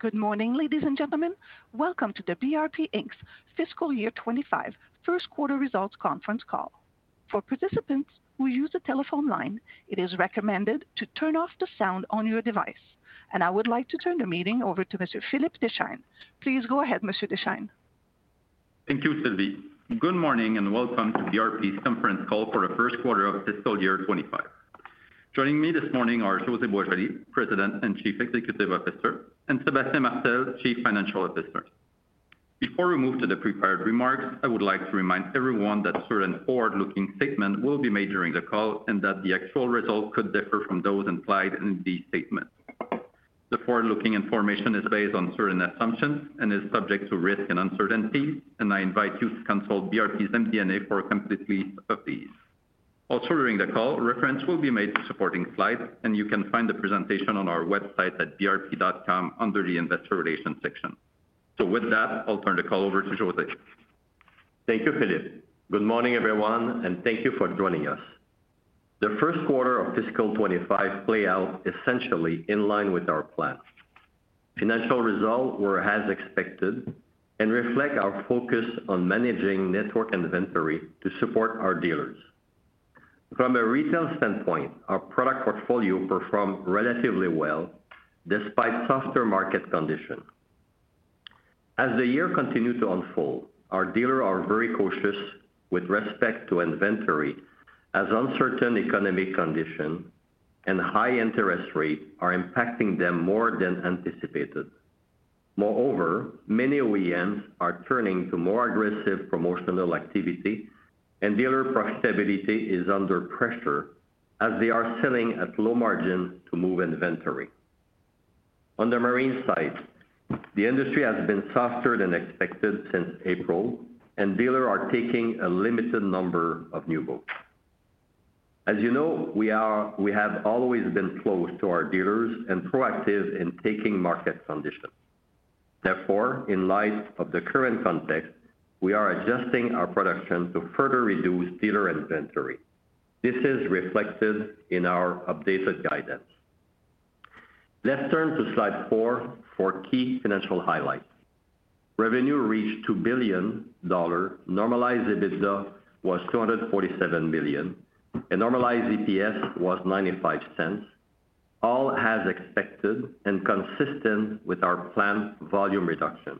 Good morning, ladies and gentlemen. Welcome to the BRP Inc.'s fiscal year 25, first quarter results conference call. For participants who use a telephone line, it is recommended to turn off the sound on your device, and I would like to turn the meeting over to Mr. Philippe Deschênes. Please go ahead, Monsieur Deschênes. Thank you, Sylvie. Good morning, and welcome to BRP's conference call for the first quarter of fiscal year 2025. Joining me this morning are José Boisjoli, President and Chief Executive Officer, and Sébastien Martel, Chief Financial Officer. Before we move to the prepared remarks, I would like to remind everyone that certain forward-looking statements will be made during the call and that the actual results could differ from those implied in these statements. The forward-looking information is based on certain assumptions and is subject to risk and uncertainty, and I invite you to consult BRP's MD&A for a complete list of these. Also, during the call, reference will be made to supporting slides, and you can find the presentation on our website at brp.com under the Investor Relations section. With that, I'll turn the call over to José. Thank you, Philippe. Good morning, everyone, and thank you for joining us. The first quarter of fiscal 25 play out essentially in line with our plans. Financial results were as expected and reflect our focus on managing network inventory to support our dealers. From a retail standpoint, our product portfolio performed relatively well despite softer market conditions. As the year continued to unfold, our dealers are very cautious with respect to inventory, as uncertain economic condition and high interest rates are impacting them more than anticipated. Moreover, many OEMs are turning to more aggressive promotional activity, and dealer profitability is under pressure as they are selling at low margin to move inventory. On the marine side, the industry has been softer than expected since April, and dealers are taking a limited number of new boats. As you know, we have always been close to our dealers and proactive in taking market conditions. Therefore, in light of the current context, we are adjusting our production to further reduce dealer inventory. This is reflected in our updated guidance. Let's turn to slide 4 for key financial highlights. Revenue reached 2 billion dollars, normalized EBITDA was 247 million, and normalized EPS was 0.95, all as expected and consistent with our planned volume reduction.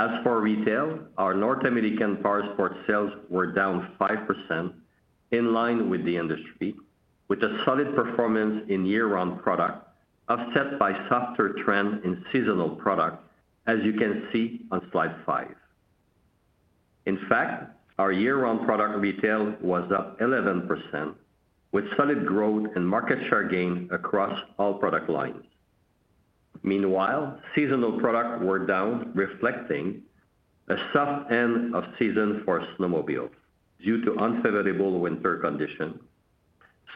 As for retail, our North American Powersports sales were down 5%, in line with the industry, with a solid performance in year-round product, offset by softer trend in seasonal products, as you can see on slide 5. In fact, our year-round product retail was up 11%, with solid growth and market share gain across all product lines. Meanwhile, seasonal products were down, reflecting a soft end of season for snowmobiles due to unfavorable winter condition,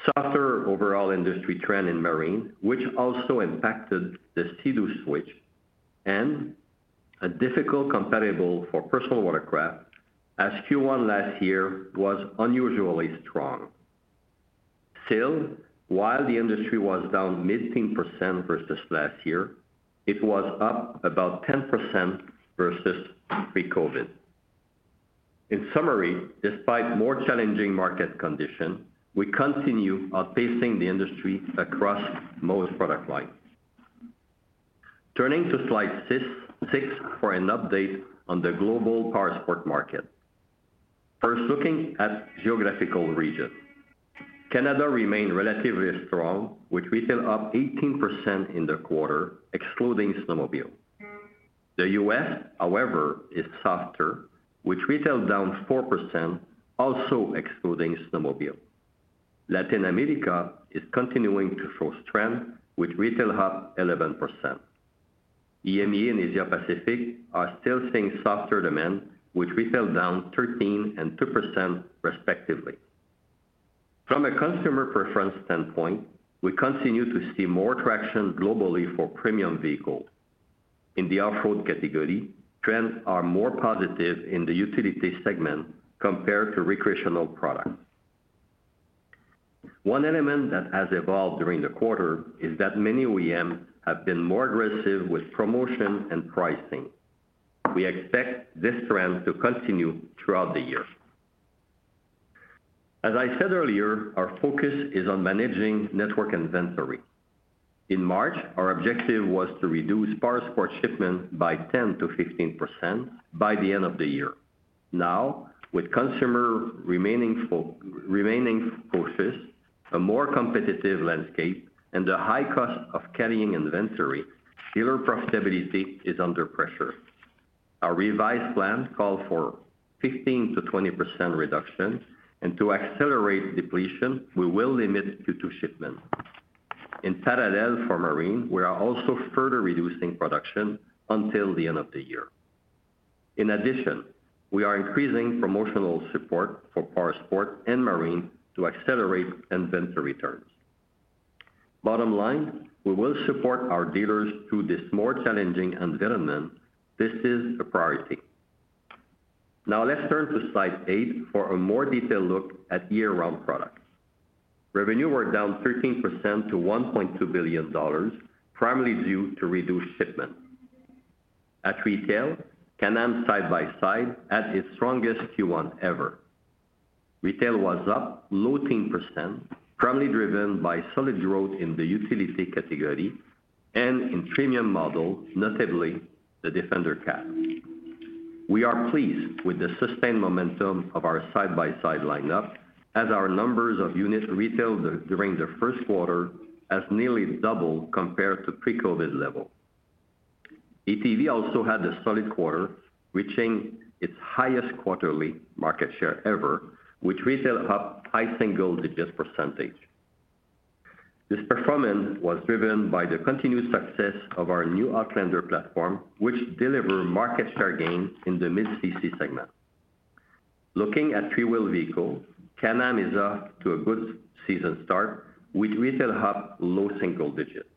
softer overall industry trend in marine, which also impacted the Sea-Doo Switch, and a difficult comparable for personal watercraft, as Q1 last year was unusually strong. Still, while the industry was down 15% versus last year, it was up about 10% versus pre-COVID. In summary, despite more challenging market condition, we continue outpacing the industry across most product lines. Turning to slide six, six for an update on the global Powersports market. First, looking at geographical region. Canada remained relatively strong, with retail up 18% in the quarter, excluding snowmobile. The US, however, is softer, with retail down 4%, also excluding snowmobile. Latin America is continuing to show strength, with retail up 11%. EMEA and Asia Pacific are still seeing softer demand, with retail down 13% and 2%, respectively. From a consumer preference standpoint, we continue to see more traction globally for premium vehicles. In the off-road category, trends are more positive in the utility segment compared to recreational products. One element that has evolved during the quarter is that many OEMs have been more aggressive with promotion and pricing. We expect this trend to continue throughout the year. As I said earlier, our focus is on managing network inventory. In March, our objective was to reduce Powersports shipments by 10%-15% by the end of the year. Now, with consumer remaining remaining cautious, a more competitive landscape, and the high cost of carrying inventory, dealer profitability is under pressure. Our revised plan called for 15%-20% reduction, and to accelerate depletion, we will limit Q2 shipments. In parallel for marine, we are also further reducing production until the end of the year. In addition, we are increasing promotional support for Powersports and Marine to accelerate inventory turns. Bottom line, we will support our dealers through this more challenging environment. This is a priority. Now let's turn to slide eight for a more detailed look at year-round products. Revenue were down 13% to 1.2 billion dollars, primarily due to reduced shipments. At retail, Can-Am Side-by-Side had its strongest Q1 ever. Retail was up low teens %, primarily driven by solid growth in the utility category and in premium model, notably the Defender Cab. We are pleased with the sustained momentum of our Side-by-Side lineup, as our numbers of unit retail during the first quarter has nearly doubled compared to pre-COVID level. ATV also had a solid quarter, reaching its highest quarterly market share ever, with retail up high single digits%. This performance was driven by the continued success of our new Outlander platform, which deliver market share gains in the mid-CC segment. Looking at three-wheel vehicles, Can-Am is off to a good season start, with retail up low single digits.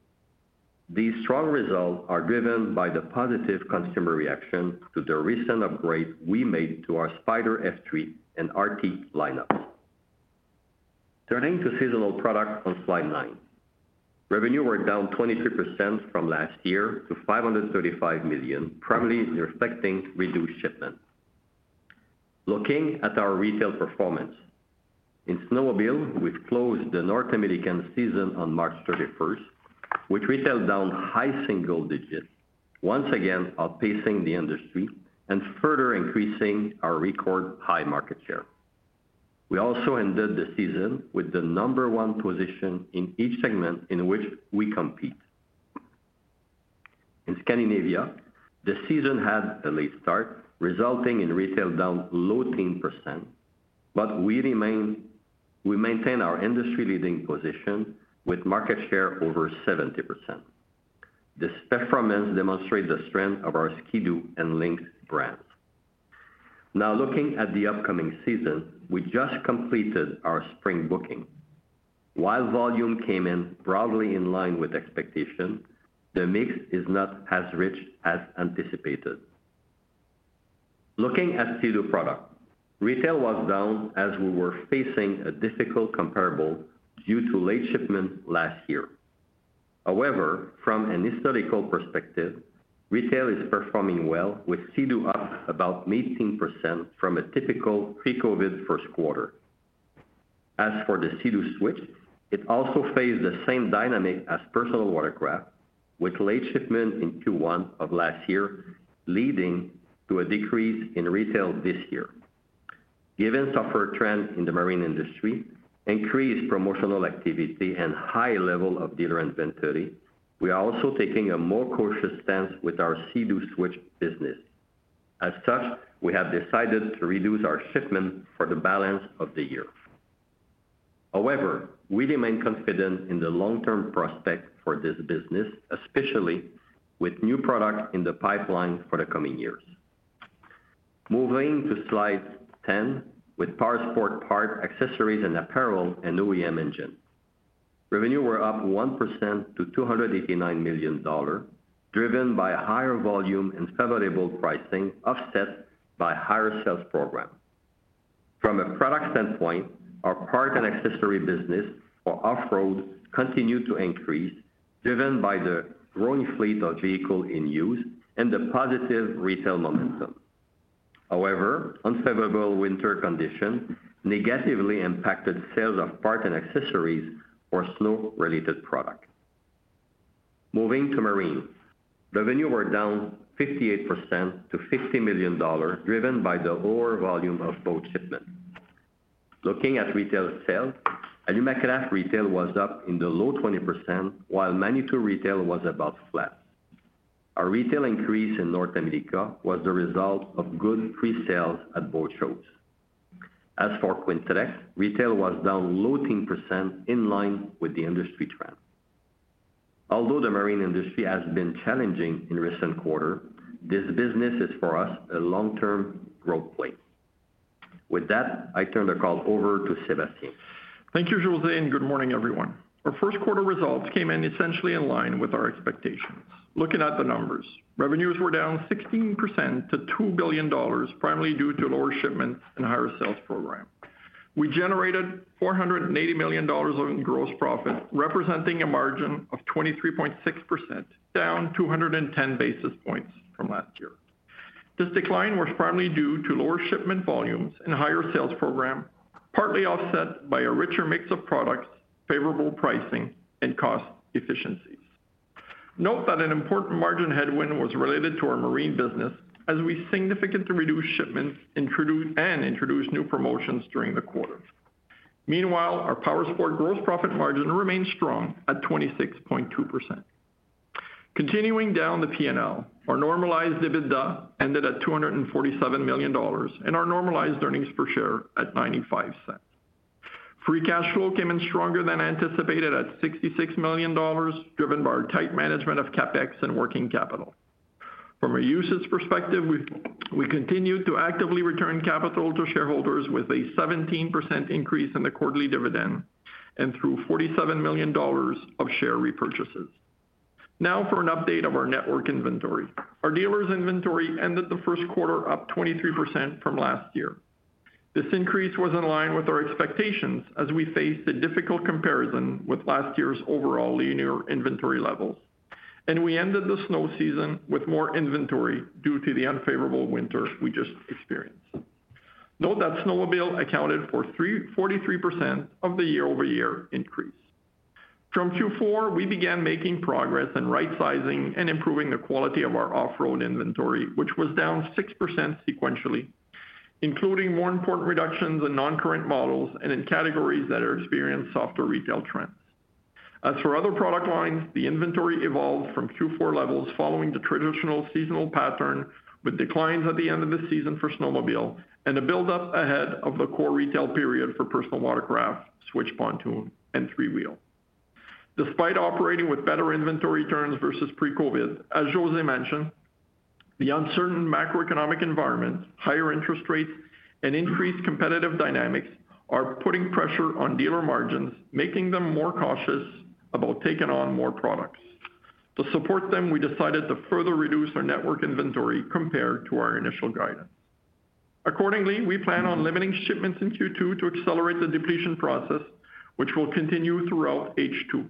These strong results are driven by the positive consumer reaction to the recent upgrades we made to our Spyder F3 and RT lineups. Turning to seasonal products on slide 9. Revenue were down 23% from last year to 535 million, primarily reflecting reduced shipments. Looking at our retail performance. In snowmobile, we've closed the North American season on March 31, with retail down high single digits, once again outpacing the industry and further increasing our record high market share. We also ended the season with the number one position in each segment in which we compete. In Scandinavia, the season had a late start, resulting in retail down low teens %, but we maintain our industry-leading position with market share over 70%. This performance demonstrates the strength of our Ski-Doo and Lynx brands. Now, looking at the upcoming season, we just completed our spring booking. While volume came in broadly in line with expectation, the mix is not as rich as anticipated. Looking at Sea-Doo product, retail was down as we were facing a difficult comparable due to late shipment last year. However, from an historical perspective, retail is performing well, with Sea-Doo up about 18% from a typical pre-COVID first quarter. As for the Sea-Doo Switch, it also faced the same dynamic as personal watercraft, with late shipment in Q1 of last year, leading to a decrease in retail this year. Given tougher trends in the marine industry, increased promotional activity, and high level of dealer inventory, we are also taking a more cautious stance with our Sea-Doo Switch business. As such, we have decided to reduce our shipment for the balance of the year. However, we remain confident in the long-term prospects for this business, especially with new products in the pipeline for the coming years. Moving to slide 10, with Powersports parts, accessories, and apparel, and OEM engines. Revenue were up 1% to 289 million dollars, driven by a higher volume and favorable pricing, offset by higher sales program. From a product standpoint, our parts and accessory business for off-road continued to increase, driven by the growing fleet of vehicles in use and the positive retail momentum. However, unfavorable winter conditions negatively impacted sales of parts and accessories for snow-related products. Moving to marine. Revenues were down 58% to 50 million dollars, driven by the lower volume of boat shipments. Looking at retail sales, Alumacraft retail was up in the low 20%, while Manitou retail was about flat. Our retail increase in North America was the result of good pre-sales at boat shows. As for Quintrex, retail was down low teens % in line with the industry trend. Although the marine industry has been challenging in recent quarters, this business is, for us, a long-term growth play. With that, I turn the call over to Sébastien. Thank you, José, and good morning, everyone. Our first quarter results came in essentially in line with our expectations. Looking at the numbers, revenues were down 16% to 2 billion dollars, primarily due to lower shipments and higher sales program. We generated 480 million dollars in gross profit, representing a margin of 23.6%, down 210 basis points from last year. This decline was primarily due to lower shipment volumes and higher sales program, partly offset by a richer mix of products, favorable pricing, and cost efficiencies. Note that an important margin headwind was related to our marine business, as we significantly reduced shipments and introduced new promotions during the quarter. Meanwhile, our Powersports gross profit margin remained strong at 26.2%. Continuing down the P&L, our normalized EBITDA ended at 247 million dollars, and our normalized earnings per share at 0.95. Free cash flow came in stronger than anticipated at 66 million dollars, driven by our tight management of CapEx and working capital. From a usage perspective, we continued to actively return capital to shareholders with a 17% increase in the quarterly dividend and through 47 million dollars of share repurchases. Now for an update of our network inventory. Our dealers' inventory ended the first quarter up 23% from last year. This increase was in line with our expectations as we faced a difficult comparison with last year's overall leaner inventory levels, and we ended the snow season with more inventory due to the unfavorable winter we just experienced. Note that snowmobile accounted for forty-three percent of the year-over-year increase. From Q4, we began making progress in right sizing and improving the quality of our off-road inventory, which was down 6% sequentially, including more important reductions in non-current models and in categories that are experienced softer retail trends. As for other product lines, the inventory evolved from Q4 levels following the traditional seasonal pattern, with declines at the end of the season for snowmobile and a buildup ahead of the core retail period for personal watercraft, switch pontoon, and three-wheel. Despite operating with better inventory turns versus pre-COVID, as José mentioned, the uncertain macroeconomic environment, higher interest rates, and increased competitive dynamics are putting pressure on dealer margins, making them more cautious about taking on more products. To support them, we decided to further reduce our network inventory compared to our initial guidance. Accordingly, we plan on limiting shipments in Q2 to accelerate the depletion process, which will continue throughout H2.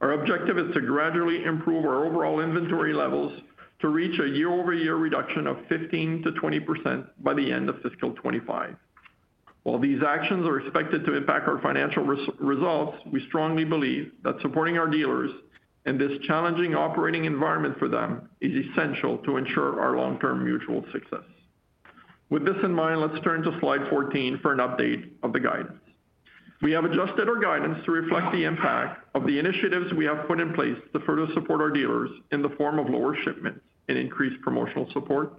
Our objective is to gradually improve our overall inventory levels to reach a year-over-year reduction of 15%-20% by the end of fiscal 2025. While these actions are expected to impact our financial results, we strongly believe that supporting our dealers in this challenging operating environment for them is essential to ensure our long-term mutual success. With this in mind, let's turn to slide 14 for an update of the guidance. We have adjusted our guidance to reflect the impact of the initiatives we have put in place to further support our dealers in the form of lower shipments and increased promotional support,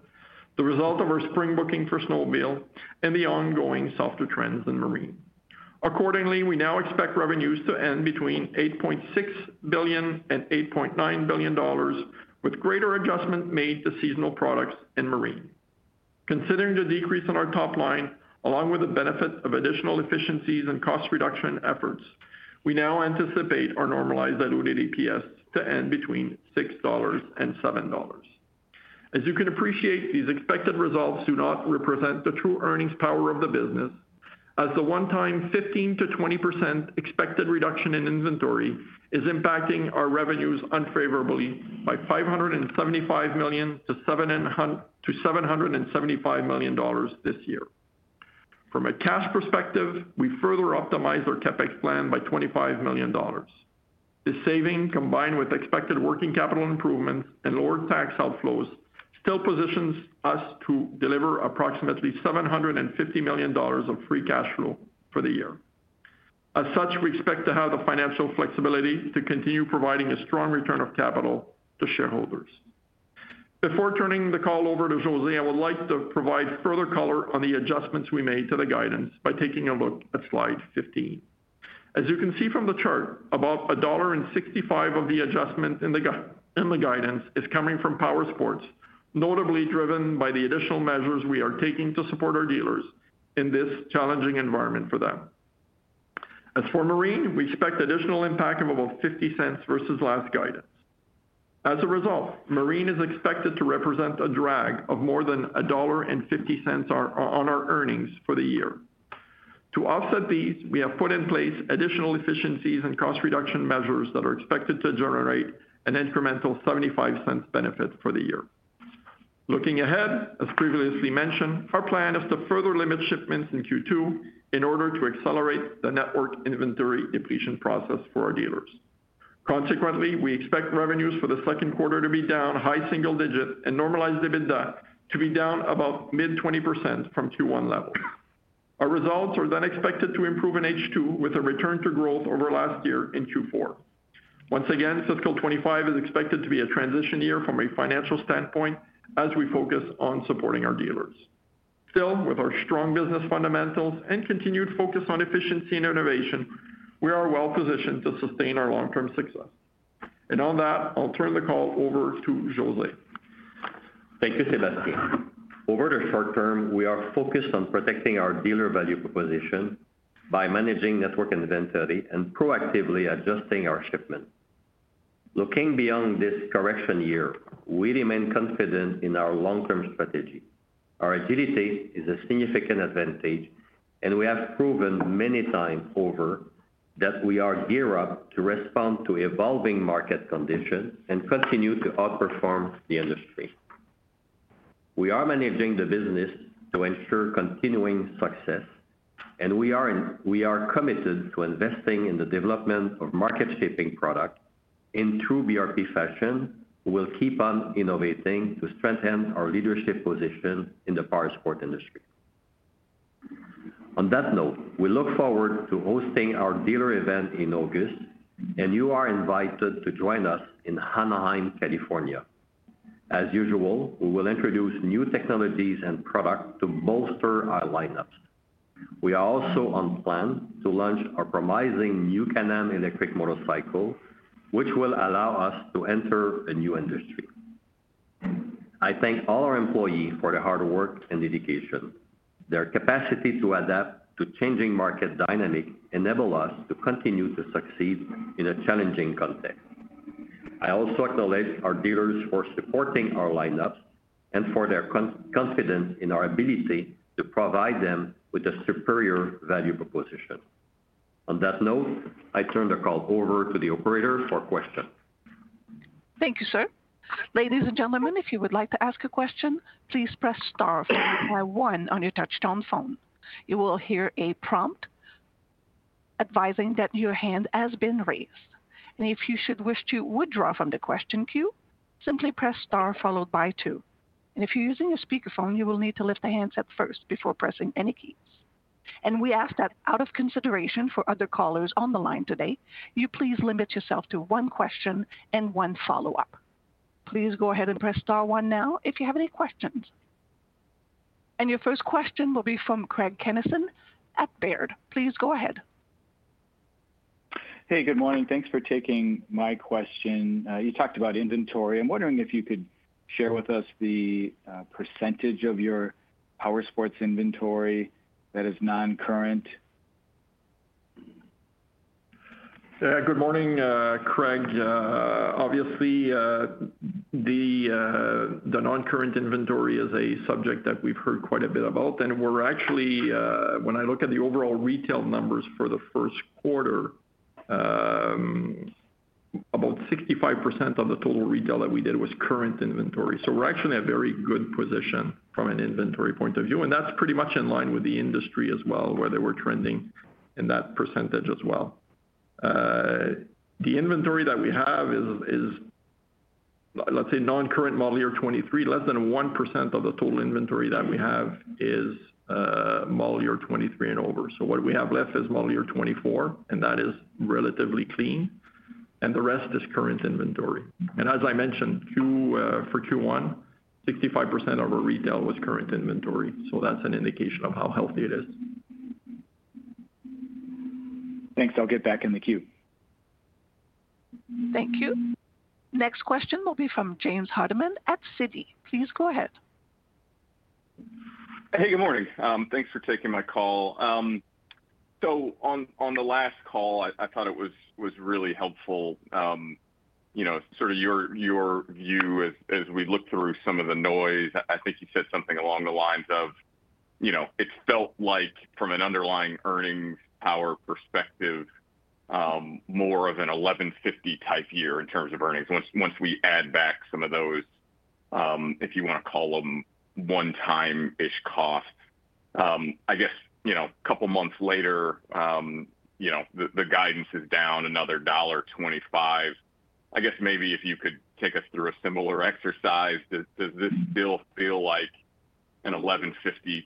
the result of our spring booking for snowmobile, and the ongoing softer trends in marine. Accordingly, we now expect revenues to end between 8.6 billion and 8.9 billion dollars, with greater adjustment made to seasonal products in marine. Considering the decrease in our top line, along with the benefit of additional efficiencies and cost reduction efforts, we now anticipate our normalized diluted EPS to end between 6 dollars and 7 dollars. As you can appreciate, these expected results do not represent the true earnings power of the business, as the one-time 15%-20% expected reduction in inventory is impacting our revenues unfavorably by 575 million-775 million dollars this year. From a cash perspective, we further optimized our CapEx plan by 25 million dollars. This saving, combined with expected working capital improvements and lower tax outflows, still positions us to deliver approximately 750 million dollars of free cash flow for the year. As such, we expect to have the financial flexibility to continue providing a strong return of capital to shareholders. Before turning the call over to José, I would like to provide further color on the adjustments we made to the guidance by taking a look at slide 15. As you can see from the chart, about 1.65 dollar of the adjustment in the in the guidance is coming from powersports, notably driven by the additional measures we are taking to support our dealers in this challenging environment for them. As for marine, we expect additional impact of about 0.50 versus last guidance. As a result, marine is expected to represent a drag of more than CAD 1.50 or so on our earnings for the year. To offset these, we have put in place additional efficiencies and cost reduction measures that are expected to generate an incremental 0.75 benefit for the year. Looking ahead, as previously mentioned, our plan is to further limit shipments in Q2 in order to accelerate the network inventory depletion process for our dealers. Consequently, we expect revenues for the second quarter to be down high single digit and normalized EBITDA to be down about mid-20% from Q1 levels. Our results are then expected to improve in H2, with a return to growth over last year in Q4. Once again, fiscal 2025 is expected to be a transition year from a financial standpoint as we focus on supporting our dealers. Still, with our strong business fundamentals and continued focus on efficiency and innovation, we are well positioned to sustain our long-term success. On that, I'll turn the call over to José. Thank you, Sébastien. Over the short term, we are focused on protecting our dealer value proposition by managing network inventory and proactively adjusting our shipment. Looking beyond this correction year, we remain confident in our long-term strategy. Our agility is a significant advantage, and we have proven many times over that we are geared up to respond to evolving market conditions and continue to outperform the industry. We are managing the business to ensure continuing success, and we are committed to investing in the development of market-shaping product. In true BRP fashion, we will keep on innovating to strengthen our leadership position in the powersports industry. On that note, we look forward to hosting our dealer event in August, and you are invited to join us in Anaheim, California. As usual, we will introduce new technologies and products to bolster our lineups. We are also on plan to launch our promising new Can-Am Electric Motorcycle, which will allow us to enter a new industry. I thank all our employees for their hard work and dedication. Their capacity to adapt to changing market dynamic enable us to continue to succeed in a challenging context. I also acknowledge our dealers for supporting our lineups and for their confidence in our ability to provide them with a superior value proposition. On that note, I turn the call over to the operator for questions. Thank you, sir. Ladies and gentlemen, if you would like to ask a question, please press star followed by one on your touchtone phone. You will hear a prompt advising that your hand has been raised, and if you should wish to withdraw from the question queue, simply press star followed by two. And if you're using a speakerphone, you will need to lift the handset first before pressing any keys. And we ask that out of consideration for other callers on the line today, you please limit yourself to one question and one follow-up. Please go ahead and press star one now if you have any questions. And your first question will be from Craig Kennison at Baird. Please go ahead. Hey, good morning. Thanks for taking my question. You talked about inventory. I'm wondering if you could share with us the percentage of your Powersports inventory that is non-current? Good morning, Craig. Obviously, the non-current inventory is a subject that we've heard quite a bit about, and we're actually, when I look at the overall retail numbers for the first quarter, about 65% of the total retail that we did was current inventory. So we're actually in a very good position from an inventory point of view, and that's pretty much in line with the industry as well, where they were trending in that percentage as well. The inventory that we have is, let's say, non-current Model Year 2023. Less than 1% of the total inventory that we have is Model Year 2023 and over. So what we have left is Model Year 2024, and that is relatively clean, and the rest is current inventory. As I mentioned in Q1, 65% of our retail was current inventory, so that's an indication of how healthy it is. Thanks. I'll get back in the queue. Thank you. Next question will be from James Hardiman at Citi. Please go ahead. Hey, good morning. Thanks for taking my call. So on the last call, I thought it was really helpful, you know, sort of your view as we looked through some of the noise. I think you said something along the lines of, you know, it felt like from an underlying earnings power perspective, more of a 11.50 type year in terms of earnings, once we add back some of those, if you want to call them one-time-ish costs. I guess, you know, a couple of months later, you know, the guidance is down another dollar 1.25. I guess maybe if you could take us through a similar exercise, does this still feel like a 11.50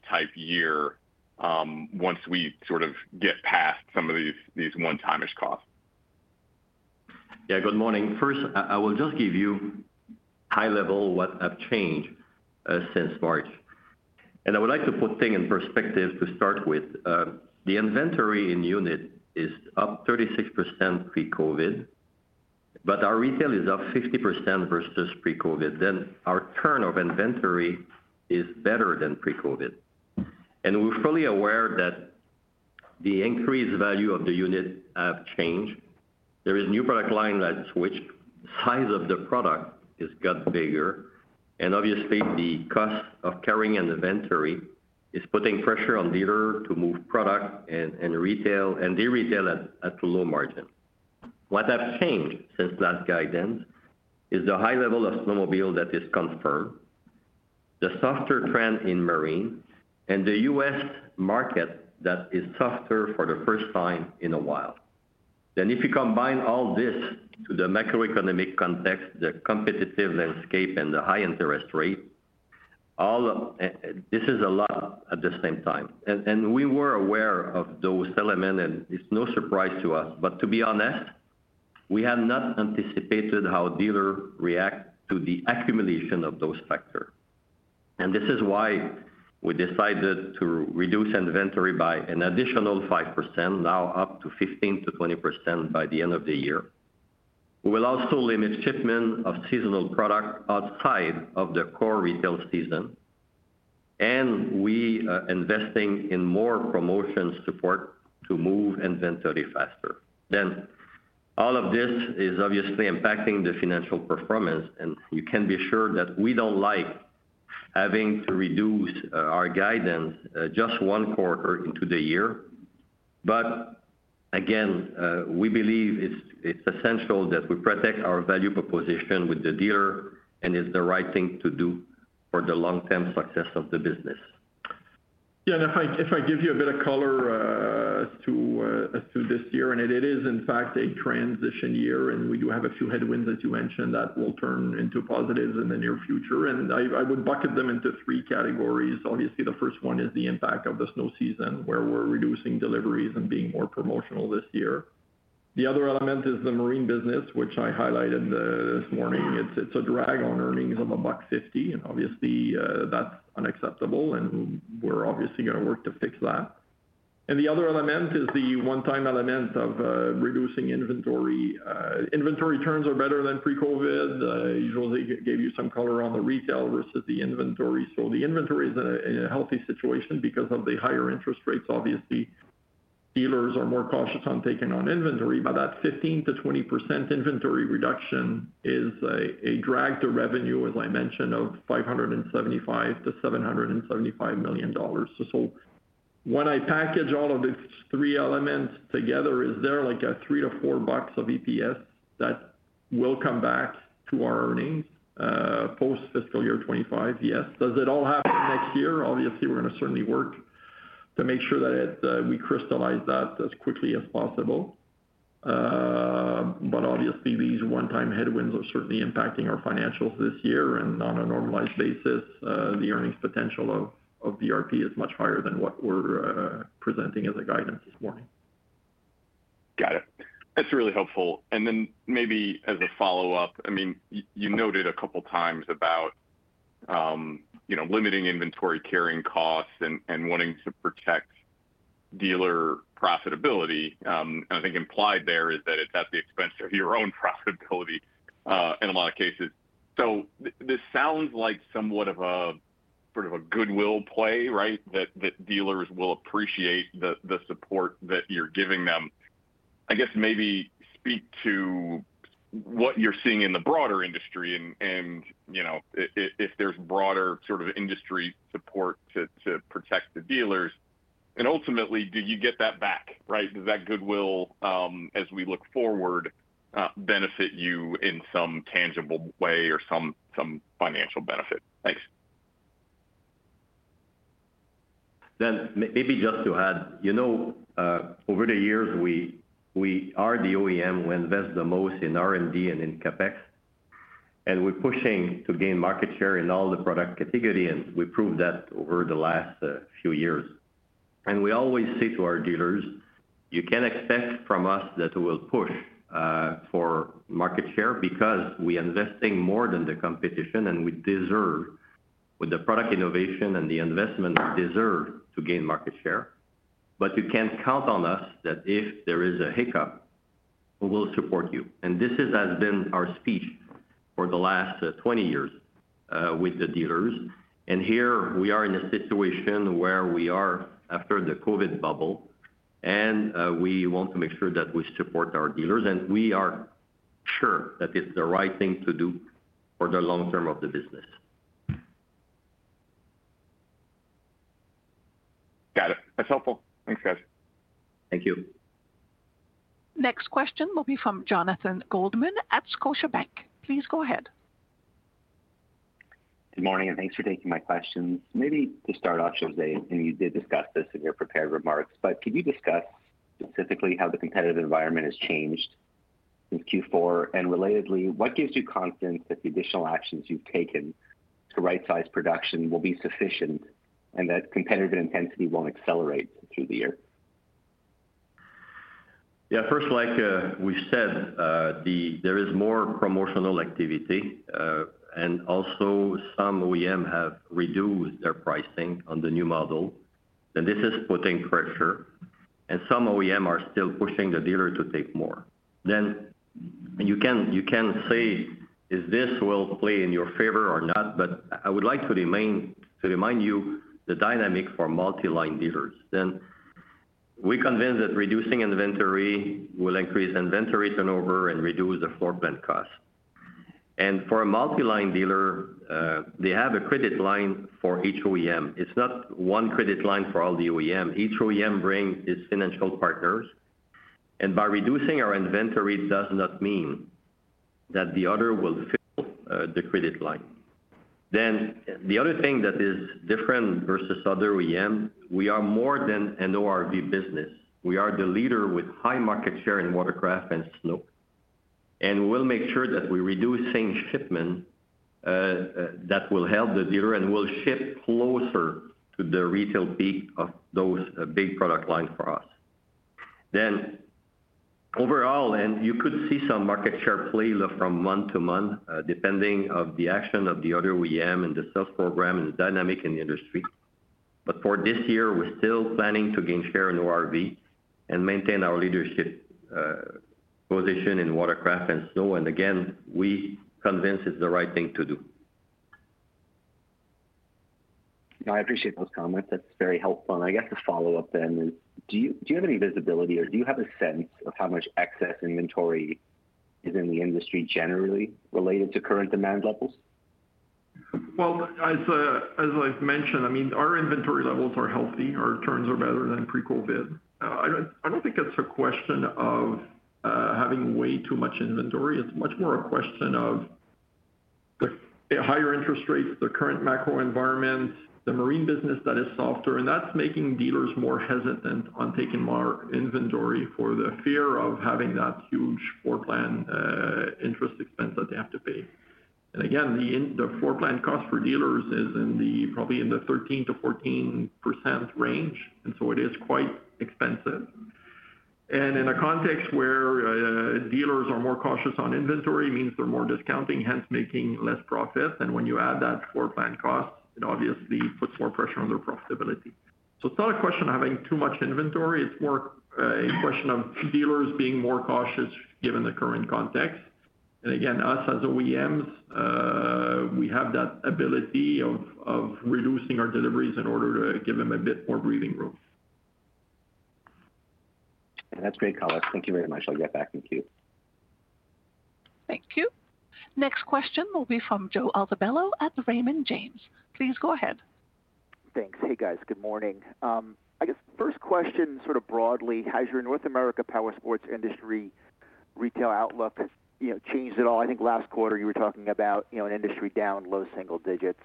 type year, once we sort of get past some of these one-time-ish costs? Yeah, good morning. First, I will just give you high level what have changed, since March. And I would like to put things in perspective to start with. The inventory in unit is up 36% pre-COVID, but our retail is up 60% versus pre-COVID. Then our turn of inventory is better than pre-COVID. And we're fully aware that the increased value of the unit have changed. There is new product line that which size of the product has got bigger, and obviously, the cost of carrying an inventory is putting pressure on dealer to move product and retail, and they retail at a low margin. What have changed since last guidance is the high level of snowmobile that is confirmed, the softer trend in marine, and the U.S. market that is softer for the first time in a while. Then if you combine all this to the macroeconomic context, the competitive landscape and the high interest rate, all of this is a lot at the same time. And we were aware of those elements, and it's no surprise to us. But to be honest, we had not anticipated how dealer react to the accumulation of those factors. And this is why we decided to reduce inventory by an additional 5%, now up to 15%-20% by the end of the year. We will also limit shipment of seasonal product outside of the core retail season, and we are investing in more promotion support to move inventory faster. Then, all of this is obviously impacting the financial performance, and you can be sure that we don't like having to reduce our guidance just one quarter into the year. Again, we believe it's essential that we protect our value proposition with the dealer and it's the right thing to do for the long-term success of the business. Yeah, and if I, if I give you a bit of color, as to, as to this year, and it is in fact a transition year, and we do have a few headwinds, as you mentioned, that will turn into positives in the near future. And I, I would bucket them into three categories. Obviously, the first one is the impact of the snow season, where we're reducing deliveries and being more promotional this year. The other element is the marine business, which I highlighted, this morning. It's, it's a drag on earnings of 1.50, and obviously, that's unacceptable, and we're obviously going to work to fix that. And the other element is the one-time element of, reducing inventory. Inventory turns are better than pre-COVID. Usually, gave you some color on the retail versus the inventory. So the inventory is in a healthy situation because of the higher interest rates. Obviously, dealers are more cautious on taking on inventory, but that 15%-20% inventory reduction is a drag to revenue, as I mentioned, of $575 million-$775 million. So when I package all of these three elements together, is there like a $3-$4 of EPS that will come back to our earnings, post-fiscal year 2025? Yes. Does it all happen next year? Obviously, we're going to certainly work to make sure that it, we crystallize that as quickly as possible. But obviously, these one-time headwinds are certainly impacting our financials this year, and on a normalized basis, the earnings potential of BRP is much higher than what we're presenting as a guidance this morning. Got it. That's really helpful. And then maybe as a follow-up, I mean, you noted a couple of times about, you know, limiting inventory carrying costs and wanting to protect dealer profitability. I think implied there is that it's at the expense of your own profitability in a lot of cases. So this sounds like somewhat of a, sort of a goodwill play, right? That dealers will appreciate the support that you're giving them. I guess maybe speak to what you're seeing in the broader industry and, you know, if there's broader sort of industry support to protect the dealers. And ultimately, do you get that back, right? Does that goodwill, as we look forward, benefit you in some tangible way or some financial benefit? Thanks. Then maybe just to add, you know, over the years, we are the OEM who invest the most in R&D and in CapEx, and we're pushing to gain market share in all the product category, and we proved that over the last few years. And we always say to our dealers, "You can expect from us that we will push for market share because we investing more than the competition, and we deserve, with the product innovation and the investment, we deserve to gain market share. But you can count on us that if there is a hiccup, we will support you." And this has been our speech for the last 20 years with the dealers. Here we are in a situation where we are after the COVID bubble, and we want to make sure that we support our dealers, and we are sure that it's the right thing to do for the long term of the business. Got it. That's helpful. Thanks, guys. Thank you. Next question will be from Jonathan Goldman at Scotiabank. Please go ahead. Good morning, and thanks for taking my questions. Maybe to start off, José, and you did discuss this in your prepared remarks, but could you discuss specifically how the competitive environment has changed since Q4? And relatedly, what gives you confidence that the additional actions you've taken to right-size production will be sufficient and that competitive intensity won't accelerate through the year? Yeah, first, like, we said, there is more promotional activity, and also some OEM have reduced their pricing on the new model, and this is putting pressure, and some OEM are still pushing the dealer to take more. Then you can, you can say, is this will play in your favor or not, but I would like to remain to remind you the dynamic for multi-line dealers. Then, we convince that reducing inventory will increase inventory turnover and reduce the floor plan cost. And for a multi-line dealer, they have a credit line for each OEM. It's not one credit line for all the OEM. Each OEM brings its financial partners, and by reducing our inventory does not mean that the other will fill the credit line. Then, the other thing that is different versus other OEM, we are more than an ORV business. We are the leader with high market share in watercraft and snow. We will make sure that we reduce in shipment, that will help the dealer, and we'll ship closer to the retail peak of those big product lines for us. Then, overall, you could see some market share play from month to month, depending on the action of the other OEM and the sales program and the dynamic in the industry. But for this year, we're still planning to gain share in ORV and maintain our leadership position in watercraft and snow. Again, we're convinced it's the right thing to do. I appreciate those comments. That's very helpful. And I guess a follow-up then is, do you, do you have any visibility, or do you have a sense of how much excess inventory is in the industry generally related to current demand levels? Well, as I've mentioned, I mean, our inventory levels are healthy. Our turns are better than pre-COVID. I don't think it's a question of having way too much inventory. It's much more a question of the higher interest rates, the current macro environment, the marine business that is softer, and that's making dealers more hesitant on taking more inventory for the fear of having that huge floor plan interest expense that they have to pay. And again, the floor plan cost for dealers is in the, probably in the 13%-14% range, and so it is quite expensive. And in a context where dealers are more cautious on inventory, means they're more discounting, hence making less profit. And when you add that to our planned costs, it obviously puts more pressure on their profitability. It's not a question of having too much inventory, it's more a question of dealers being more cautious given the current context. And again, us, as OEMs, we have that ability of reducing our deliveries in order to give them a bit more breathing room. That's great, Colin. Thank you very much. I'll get back in queue. Thank you. Next question will be from Joe Altobello at Raymond James. Please go ahead. Thanks. Hey, guys, good morning. I guess first question, sort of broadly, has your North America Powersports industry retail outlook, you know, changed at all? I think last quarter you were talking about, you know, an industry down, low single digits.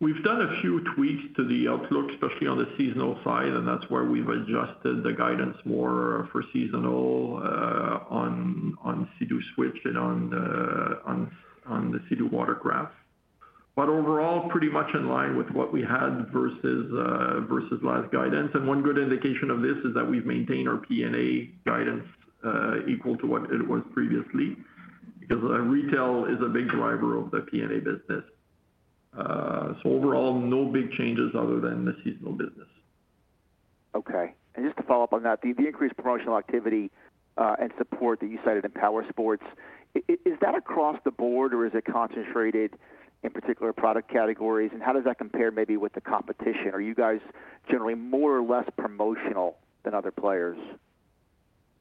We've done a few tweaks to the outlook, especially on the seasonal side, and that's where we've adjusted the guidance more for seasonal on the Sea-Doo Switch and on the Sea-Doo watercraft. But overall, pretty much in line with what we had versus last guidance. And one good indication of this is that we've maintained our PA&A guidance equal to what it was previously, because retail is a big driver of the PA&A business. So overall, no big changes other than the seasonal business. Okay. And just to follow up on that, the increased promotional activity and support that you cited in Powersports, is that across the board or is it concentrated in particular product categories? And how does that compare maybe with the competition? Are you guys generally more or less promotional than other players?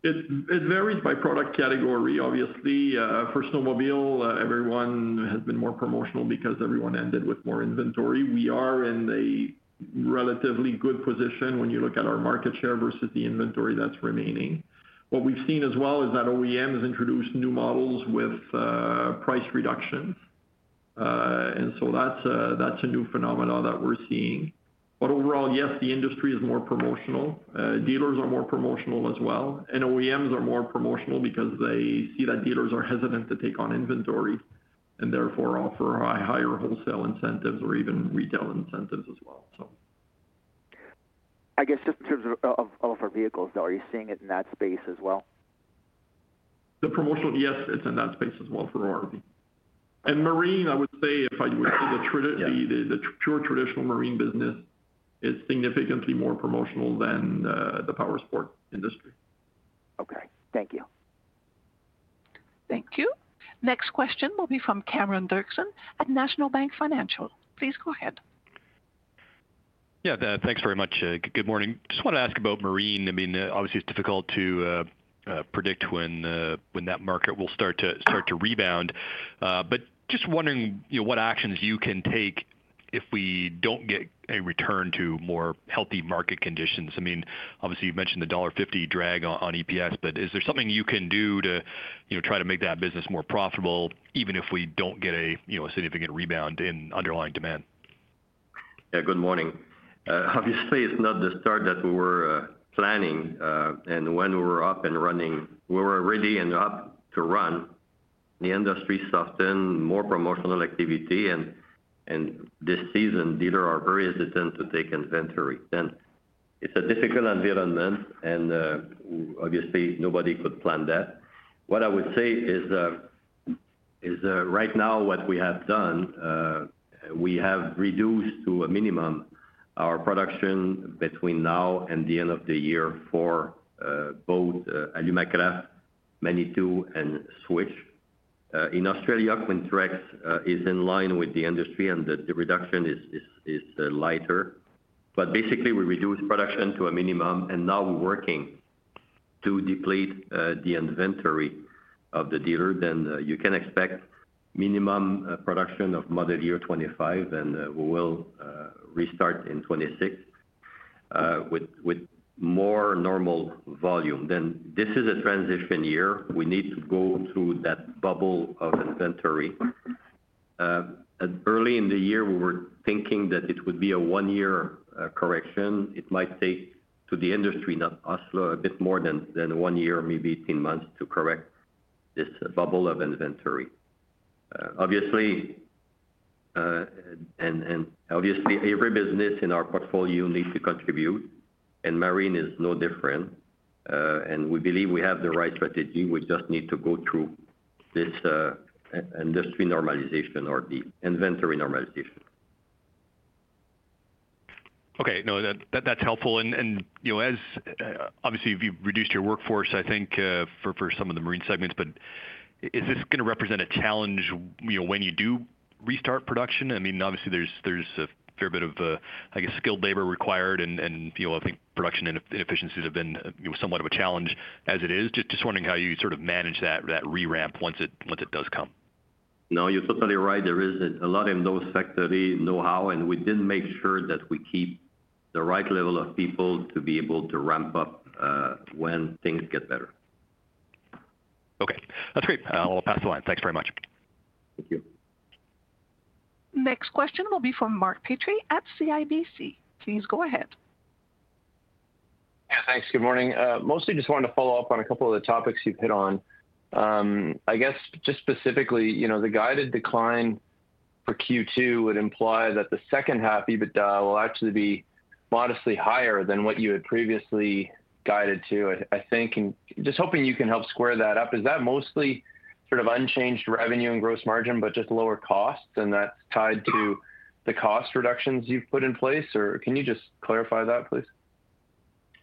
It, it varies by product category, obviously. For snowmobile, everyone has been more promotional because everyone ended with more inventory. We are in a relatively good position when you look at our market share versus the inventory that's remaining. What we've seen as well is that OEM has introduced new models with price reductions. And so that's a new phenomenon that we're seeing. But overall, yes, the industry is more promotional. Dealers are more promotional as well, and OEMs are more promotional because they see that dealers are hesitant to take on inventory and therefore offer higher wholesale incentives or even retail incentives as well, so. I guess, just in terms of our vehicles, though, are you seeing it in that space as well? The promotional, yes, it's in that space as well for ORV. And marine, I would say the tradit- Yeah. The pure traditional marine business is significantly more promotional than the powersports industry. Okay. Thank you. Thank you. Next question will be from Cameron Doerksen at National Bank Financial. Please go ahead. Yeah, thanks very much. Good morning. Just want to ask about marine. I mean, obviously, it's difficult to predict when that market will start to rebound. But just wondering, you know, what actions you can take if we don't get a return to more healthy market conditions. I mean, obviously, you've mentioned the dollar 150 drag on EPS, but is there something you can do to, you know, try to make that business more profitable, even if we don't get a, you know, a significant rebound in underlying demand? Yeah, good morning. Obviously, it's not the start that we were planning, and when we were up and running. We were ready and up to run, the industry softened, more promotional activity, and this season, dealer are very hesitant to take inventory. And it's a difficult environment, and obviously, nobody could plan that. What I would say is, right now, what we have done, we have reduced to a minimum our production between now and the end of the year for both Alumacraft, Manitou, and Switch. In Australia, Quintrex is in line with the industry, and the reduction is lighter. But basically, we reduced production to a minimum, and now we're working to deplete the inventory of the dealer. Then you can expect minimum production of Model Year 25, and we will restart in 26 with more normal volume. Then this is a transition year. We need to go through that bubble of inventory. Early in the year, we were thinking that it would be a one year correction. It might take, to the industry, not us, a bit more than one year, maybe 18 months, to correct this bubble of inventory. Obviously... And obviously, every business in our portfolio needs to contribute, and marine is no different, and we believe we have the right strategy. We just need to go through this industry normalization or the inventory normalization. Okay. No, that, that's helpful. And, you know, as obviously, you've reduced your workforce, I think, for some of the marine segments, but is this gonna represent a challenge, you know, when you do restart production? I mean, obviously there's a fair bit of, I guess, skilled labor required, and, you know, I think production and efficiency have been, you know, somewhat of a challenge as it is. Just wondering how you sort of manage that re-ramp once it does come. No, you're totally right. There is a lot in those factories know-how, and we did make sure that we keep the right level of people to be able to ramp up, when things get better. Okay, that's great. I'll pass the line. Thanks very much. Thank you. Next question will be from Mark Petrie at CIBC. Please go ahead.... Yeah, thanks. Good morning. Mostly just wanted to follow up on a couple of the topics you've hit on. I guess just specifically, you know, the guided decline for Q2 would imply that the second half EBITDA will actually be modestly higher than what you had previously guided to, I think. And just hoping you can help square that up. Is that mostly sort of unchanged revenue and gross margin, but just lower costs, and that's tied to the cost reductions you've put in place? Or can you just clarify that, please?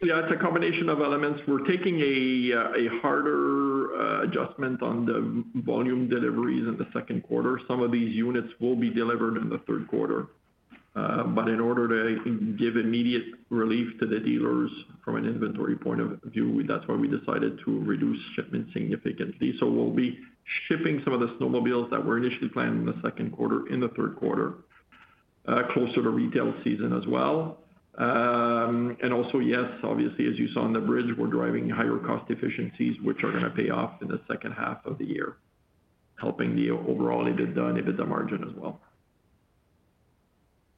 Yeah, it's a combination of elements. We're taking a harder adjustment on the volume deliveries in the second quarter. Some of these units will be delivered in the third quarter. But in order to give immediate relief to the dealers from an inventory point of view, that's why we decided to reduce shipments significantly. So we'll be shipping some of the snowmobiles that were initially planned in the second quarter, in the third quarter, closer to retail season as well. And also, yes, obviously, as you saw on the bridge, we're driving higher cost efficiencies, which are going to pay off in the second half of the year, helping the overall EBITDA and EBITDA margin as well.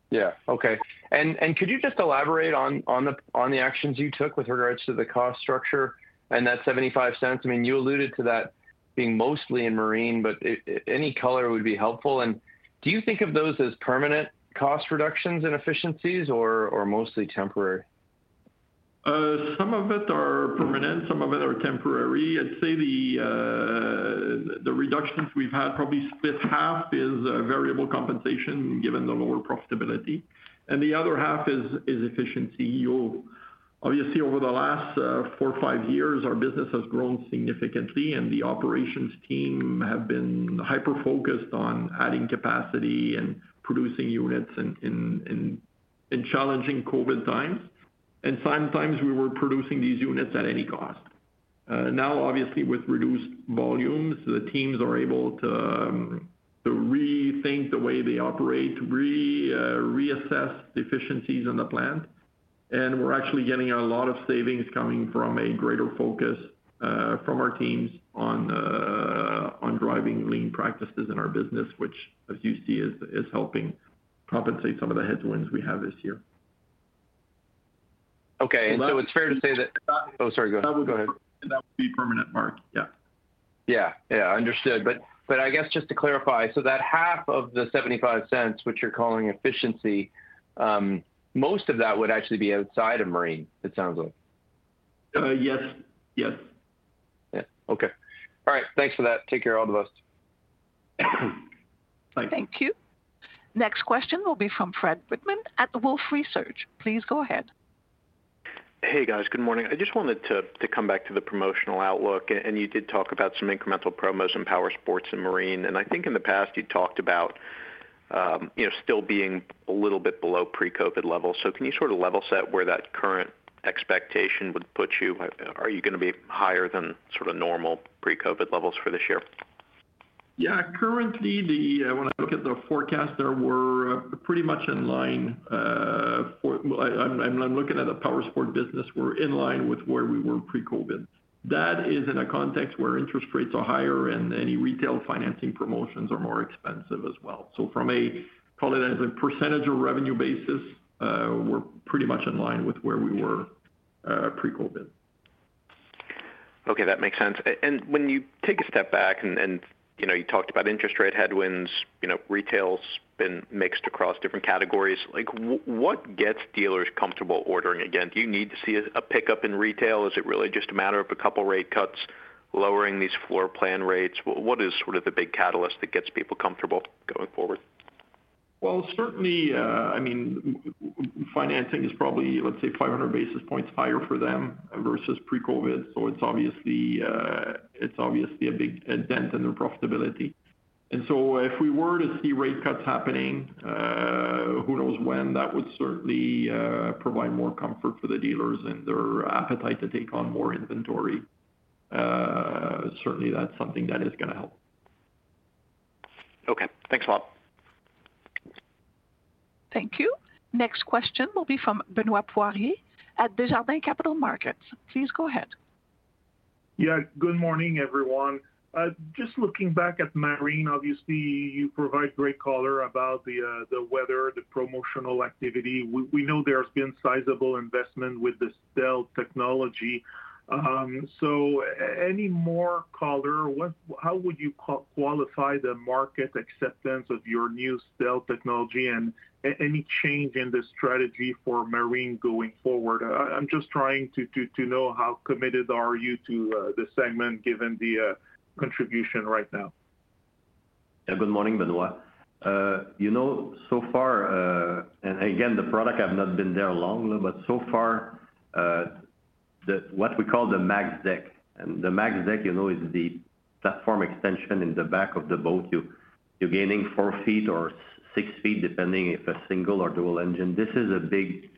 Yeah. Okay. And could you just elaborate on the actions you took with regards to the cost structure and that 0.75? I mean, you alluded to that being mostly in Marine, but any color would be helpful. And do you think of those as permanent cost reductions and efficiencies or mostly temporary? Some of it are permanent, some of it are temporary. I'd say the reductions we've had, probably split half is variable compensation, given the lower profitability, and the other half is efficiency. You'll obviously, over the last four, five years, our business has grown significantly, and the operations team have been hyper-focused on adding capacity and producing units in challenging COVID times. And sometimes we were producing these units at any cost. Now, obviously, with reduced volumes, the teams are able to rethink the way they operate, reassess the efficiencies on the plant. And we're actually getting a lot of savings coming from a greater focus from our teams on driving lean practices in our business, which, as you see, is helping compensate some of the headwinds we have this year. Okay. And that- It's fair to say that- That- Oh, sorry, go ahead. That would be permanent, Mark. Yeah. Yeah, yeah, understood. But I guess just to clarify, so that half of the 0.75, which you're calling efficiency, most of that would actually be outside of Marine, it sounds like? Yes. Yes. Yeah. Okay. All right. Thanks for that. Take care, all the best. Thank you. Thank you. Next question will be from Fred Wightman at Wolfe Research. Please go ahead. Hey, guys. Good morning. I just wanted to come back to the promotional outlook, and you did talk about some incremental promos in powersports and marine. I think in the past, you talked about, you know, still being a little bit below pre-COVID levels. So can you sort of level set where that current expectation would put you? Are you going to be higher than sort of normal pre-COVID levels for this year? Yeah. Currently, when I look at the forecast there, we're pretty much in line. I'm looking at the powersports business, we're in line with where we were pre-COVID. That is in a context where interest rates are higher and any retail financing promotions are more expensive as well. So from a, call it as a percentage of revenue basis, we're pretty much in line with where we were pre-COVID. Okay, that makes sense. And when you take a step back and, you know, you talked about interest rate headwinds, you know, retail's been mixed across different categories. Like, what gets dealers comfortable ordering again? Do you need to see a pickup in retail? Is it really just a matter of a couple rate cuts, lowering these Floor Plan rates? What is sort of the big catalyst that gets people comfortable going forward? Well, certainly, I mean, financing is probably, let's say, 500 basis points higher for them versus pre-COVID, so it's obviously, it's obviously a big dent in their profitability. And so if we were to see rate cuts happening, who knows when, that would certainly, provide more comfort for the dealers and their appetite to take on more inventory. Certainly, that's something that is going to help. Okay. Thanks a lot. Thank you. Next question will be from Benoit Poiré at Desjardins Capital Markets. Please go ahead. Yeah, good morning, everyone. Just looking back at Marine, obviously, you provide great color about the weather, the promotional activity. We know there's been sizable investment with the Stealth technology. So any more color? What? How would you qualify the market acceptance of your new Stealth technology and any change in the strategy for Marine going forward? I'm just trying to know how committed are you to the segment, given the contribution right now. Yeah, good morning, Benoit. You know, so far, and again, the product have not been there long, but so far, the what we call the MAX Deck, and the MAX Deck, you know, is the platform extension in the back of the boat. You're gaining 4 feet or 6 feet, depending if a single or dual engine. This is a big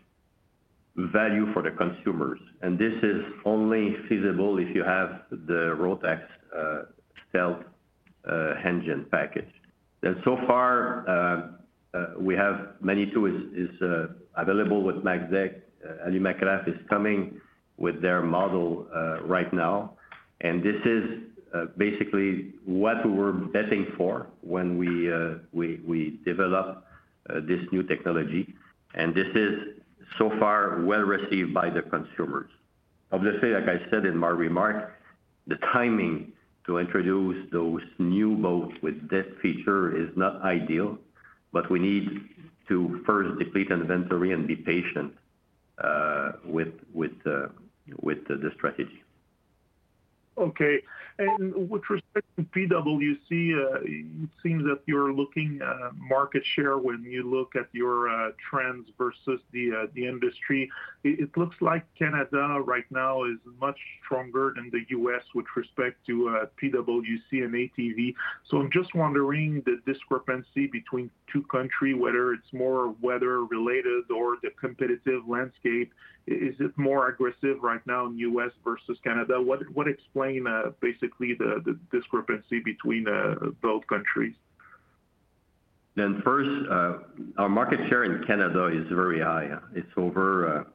value for the consumers, and this is only feasible if you have the Rotax Stealth engine package. And so far, we have Manitou's is available with MAX Deck. Alumacraft is coming with their model right now. And this is basically what we were betting for when we develop this new technology, and this is so far well received by the consumers. Obviously, like I said in my remarks, the timing to introduce those new boats with this feature is not ideal, but we need to first deplete inventory and be patient with the strategy. Okay. With respect to PWC, it seems that you're looking at market share when you look at your trends versus the industry. It looks like Canada right now is much stronger than the U.S. with respect to PWC and ATV. So I'm just wondering, the discrepancy between two country, whether it's more weather related or the competitive landscape, is it more aggressive right now in U.S. versus Canada? What explain basically the discrepancy between both countries? Then first, our market share in Canada is very high. It's over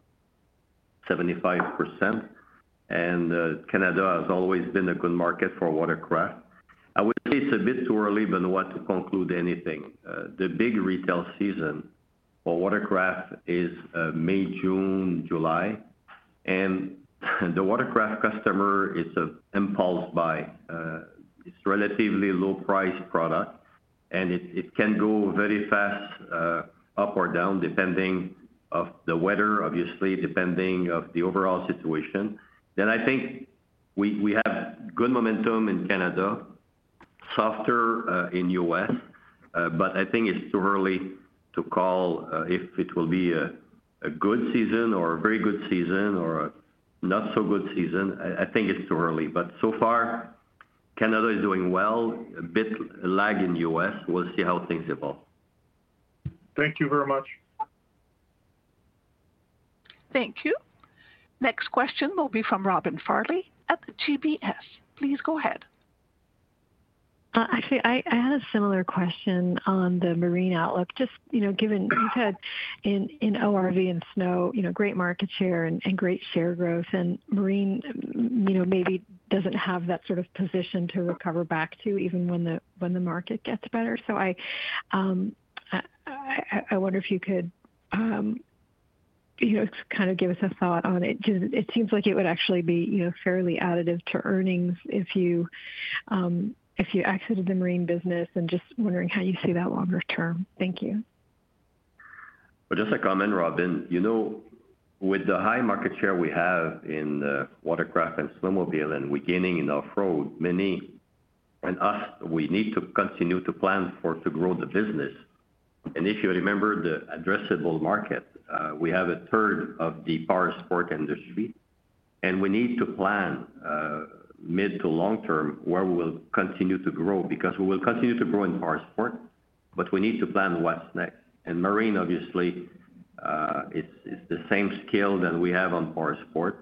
75%, and Canada has always been a good market for watercraft. I would say it's a bit too early, but what to conclude anything. The big retail season for watercraft is May, June, July, and the watercraft customer is an impulse buy. It's relatively low price product, and it, it can go very fast, up or down, depending of the weather, obviously, depending of the overall situation. Then I think we, we have good momentum in Canada, softer in U.S., but I think it's too early to call, if it will be a, a good season or a very good season or a not so good season. I, I think it's too early, but so far, Canada is doing well, a bit lag in U.S. We'll see how things evolve. Thank you very much. Thank you. Next question will be from Robin Farley at UBS. Please go ahead. Actually, I had a similar question on the marine outlook. Just, you know, given you've had in ORV and snow, you know, great market share and great share growth, and marine, you know, maybe doesn't have that sort of position to recover back to even when the market gets better. So I wonder if you could, you know, kind of give us a thought on it, because it seems like it would actually be, you know, fairly additive to earnings if you, if you exited the marine business and just wondering how you see that longer term. Thank you. Well, just a comment, Robin. You know, with the high market share we have in watercraft and snowmobile, and we're gaining in off-road, and us, we need to continue to plan for to grow the business. And if you remember the addressable market, we have a third of the powersports industry, and we need to plan mid to long term where we will continue to grow, because we will continue to grow in powersports, but we need to plan what's next. And marine, obviously, is the same scale than we have on powersports,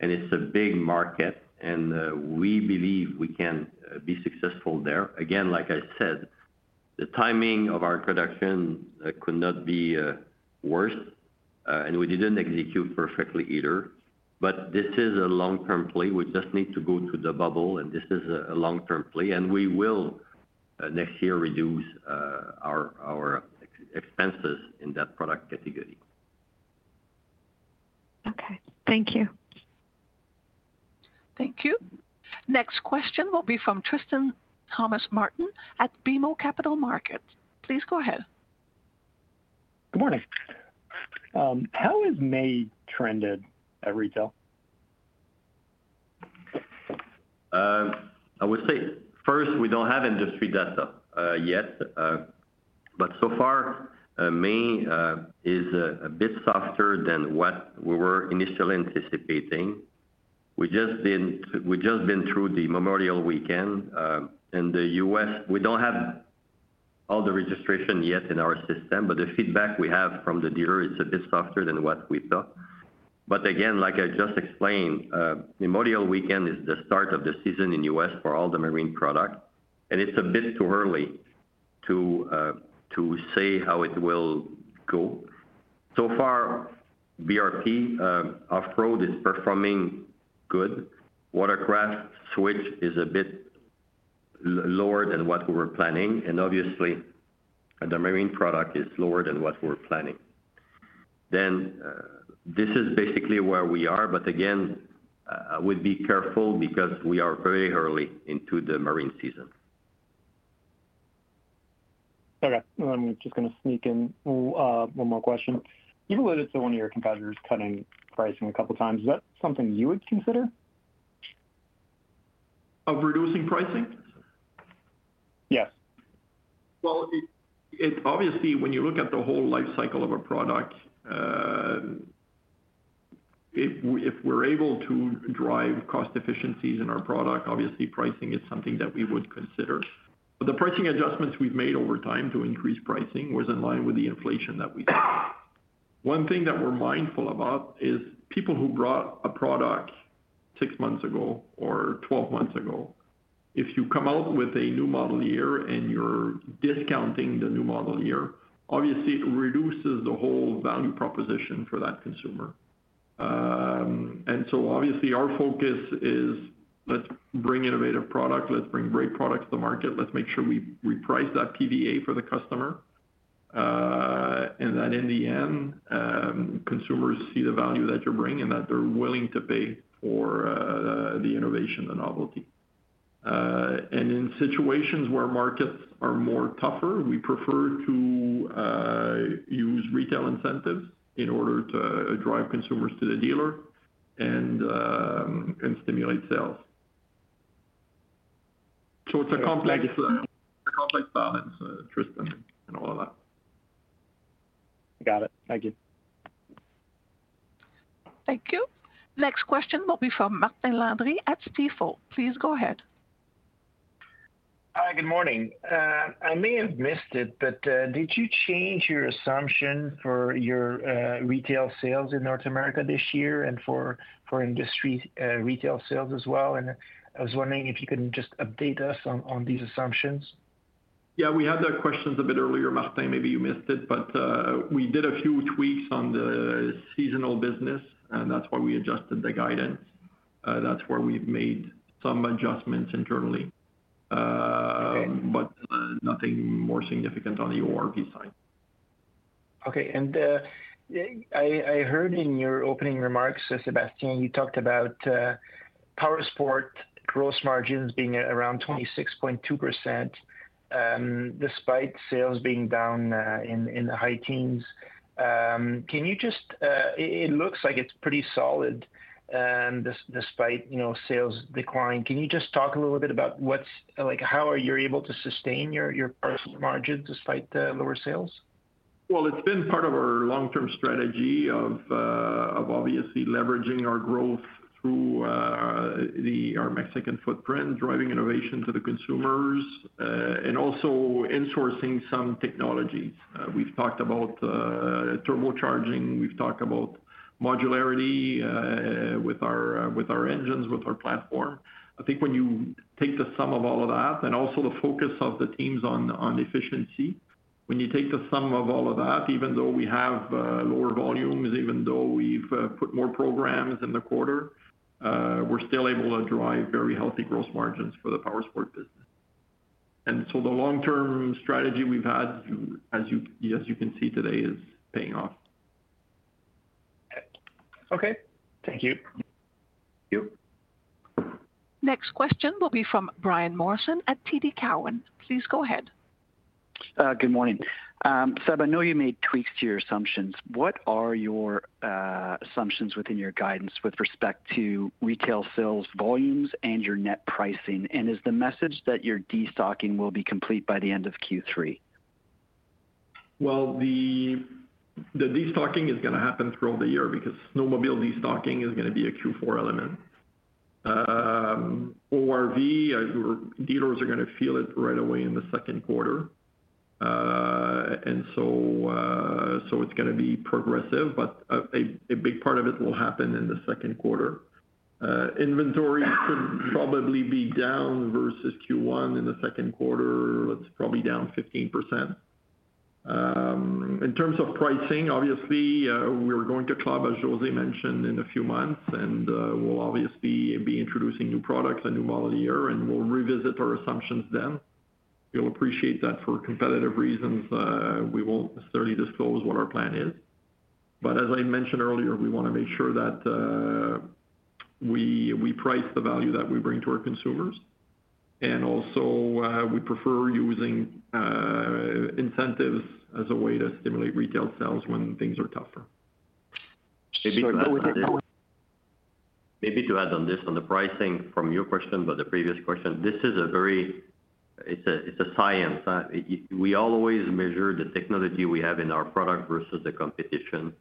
and it's a big market, and we believe we can be successful there. Again, like I said, the timing of our introduction could not be worse, and we didn't execute perfectly either. But this is a long-term play. We just need to go to the bubble, and this is a long-term play, and we will next year reduce our OpEx expenses in that product category. Okay. Thank you. Thank you. Next question will be from Tristan Thomas-Martin at BMO Capital Markets. Please go ahead. Good morning. How has May trended at retail? I would say, first, we don't have industry data yet, but so far, May is a bit softer than what we were initially anticipating. We just been, we've just been through the Memorial Weekend. In the US, we don't have all the registration yet in our system, but the feedback we have from the dealer is a bit softer than what we thought. But again, like I just explained, Memorial Weekend is the start of the season in US for all the marine product, and it's a bit too early to say how it will go. So far, BRP off-road is performing good. Watercraft Switch is a bit lower than what we were planning, and obviously, the marine product is lower than what we were planning. This is basically where we are, but again, I would be careful because we are very early into the marine season. Okay. I'm just gonna sneak in one more question. Even with it, so one of your competitors cutting pricing a couple of times, is that something you would consider? Of reducing pricing? Yes. Well, obviously, when you look at the whole life cycle of a product, if we're able to drive cost efficiencies in our product, obviously pricing is something that we would consider. But the pricing adjustments we've made over time to increase pricing was in line with the inflation that we had. One thing that we're mindful about is people who bought a product six months ago or twelve months ago, if you come out with a new model year and you're discounting the new model year, obviously it reduces the whole value proposition for that consumer. And so obviously, our focus is, let's bring innovative product, let's bring great products to the market. Let's make sure we reprice that value for the customer. And that in the end, consumers see the value that you're bringing and that they're willing to pay for, the innovation, the novelty. And in situations where markets are more tougher, we prefer to use retail incentives in order to drive consumers to the dealer and stimulate sales. So it's a complex, a complex balance, Tristan, and all of that. Got it. Thank you. Thank you. Next question will be from Martin Landry at Stifel. Please go ahead. Hi, good morning. I may have missed it, but, did you change your assumption for your, retail sales in North America this year and for, for industry, retail sales as well? And I was wondering if you can just update us on, on these assumptions. Yeah, we had that question a bit earlier, Martin. Maybe you missed it, but we did a few tweaks on the seasonal business, and that's why we adjusted the guidance. That's where we've made some adjustments internally. Okay. But nothing more significant on the ORV side. Okay. I heard in your opening remarks, Sébastien, you talked about Powersports gross margins being around 26.2%, despite sales being down in the high teens. Can you just... it looks like it's pretty solid, despite, you know, sales declining. Can you just talk a little bit about what's—like, how are you able to sustain your Powersports margin despite the lower sales? Well, it's been part of our long-term strategy of obviously leveraging our growth through our Mexican footprint, driving innovation to the consumers, and also insourcing some technologies. We've talked about turbocharging, we've talked about modularity with our engines, with our platform. I think when you take the sum of all of that, and also the focus of the teams on efficiency, when you take the sum of all of that, even though we have lower volumes, even though we've put more programs in the quarter, we're still able to drive very healthy gross margins for the Powersports business. And so the long-term strategy we've had, as you can see today, is paying off. Okay. Thank you. Thank you. Next question will be from Brian Morrison at TD Cowen. Please go ahead. Good morning. Seb, I know you made tweaks to your assumptions. What are your assumptions within your guidance with respect to retail sales volumes and your net pricing? And is the message that your destocking will be complete by the end of Q3? Well, the destocking is going to happen throughout the year because snowmobile destocking is going to be a Q4 element. ORV, your dealers are going to feel it right away in the second quarter. And so, so it's going to be progressive, but a big part of it will happen in the second quarter. Inventory should probably be down versus Q1. In the second quarter, it's probably down 15%. In terms of pricing, obviously, we're going to Club, as José mentioned, in a few months, and we'll obviously be introducing new products and new model year, and we'll revisit our assumptions then. You'll appreciate that for competitive reasons, we won't necessarily disclose what our plan is. But as I mentioned earlier, we want to make sure that we price the value that we bring to our consumers. And also, we prefer using incentives as a way to stimulate retail sales when things are tougher. How is it- Maybe to add on this, on the pricing from your question, but the previous question, this is a very, it's a, it's a science. We always measure the technology we have in our product versus the competition,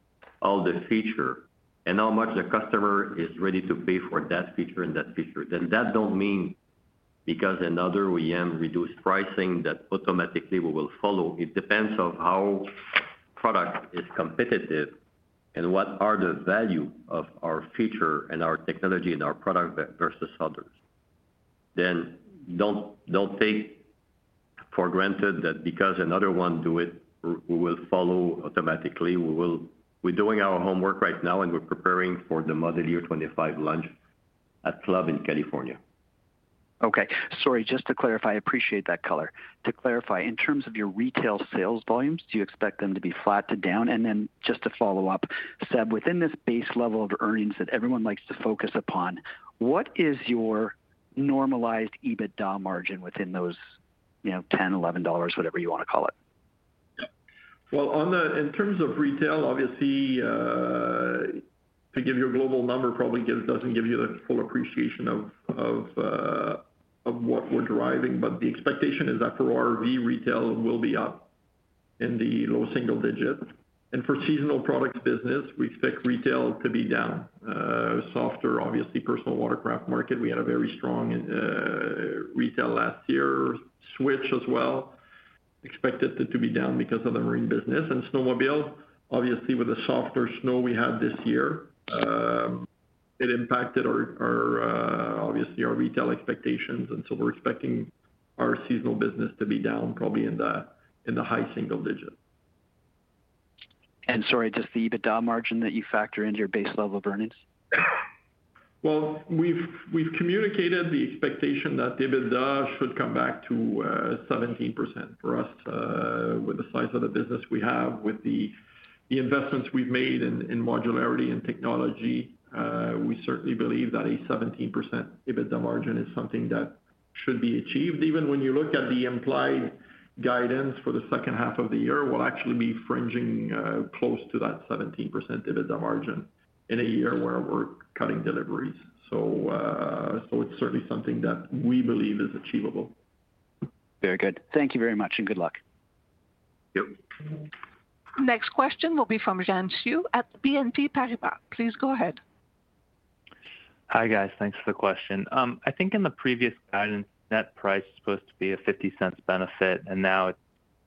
all the feature, and how much the customer is ready to pay for that feature and that feature. Then that don't mean because another OEM reduced pricing, that automatically we will follow. It depends on how product is competitive and what are the value of our feature and our technology and our product versus others. Then don't, don't take for granted that because another one do it, we will follow automatically. We will. We're doing our homework right now, and we're preparing for the Model Year 25 launch at club in California. Okay. Sorry, just to clarify, I appreciate that color. To clarify, in terms of your retail sales volumes, do you expect them to be flat to down? And then just to follow up, Seb, within this base level of earnings that everyone likes to focus upon, what is your normalized EBITDA margin within those, you know, $10, $11, whatever you want to call it? Well, in terms of retail, obviously, to give you a global number probably doesn't give you the full appreciation of what we're driving, but the expectation is that for ORV, retail will be up in the low single digits. For seasonal products business, we expect retail to be down, softer, obviously, personal watercraft market. We had a very strong retail last year, Switch as well, expected it to be down because of the marine business. Snowmobile, obviously, with the softer snow we have this year, it impacted our obviously, our retail expectations, and so we're expecting our seasonal business to be down probably in the high single digits.... And sorry, just the EBITDA margin that you factor into your base level of earnings? Well, we've, we've communicated the expectation that the EBITDA should come back to 17% for us, with the size of the business we have, with the investments we've made in modularity and technology. We certainly believe that a 17% EBITDA margin is something that should be achieved. Even when you look at the implied guidance for the second half of the year, we'll actually be edging close to that 17% EBITDA margin in a year where we're cutting deliveries. So, it's certainly something that we believe is achievable. Very good. Thank you very much, and good luck. Yep. Next question will be from Jian-Chu at BNP Paribas. Please go ahead. Hi, guys. Thanks for the question. I think in the previous guidance, net price is supposed to be a 0.50 benefit, and now it's,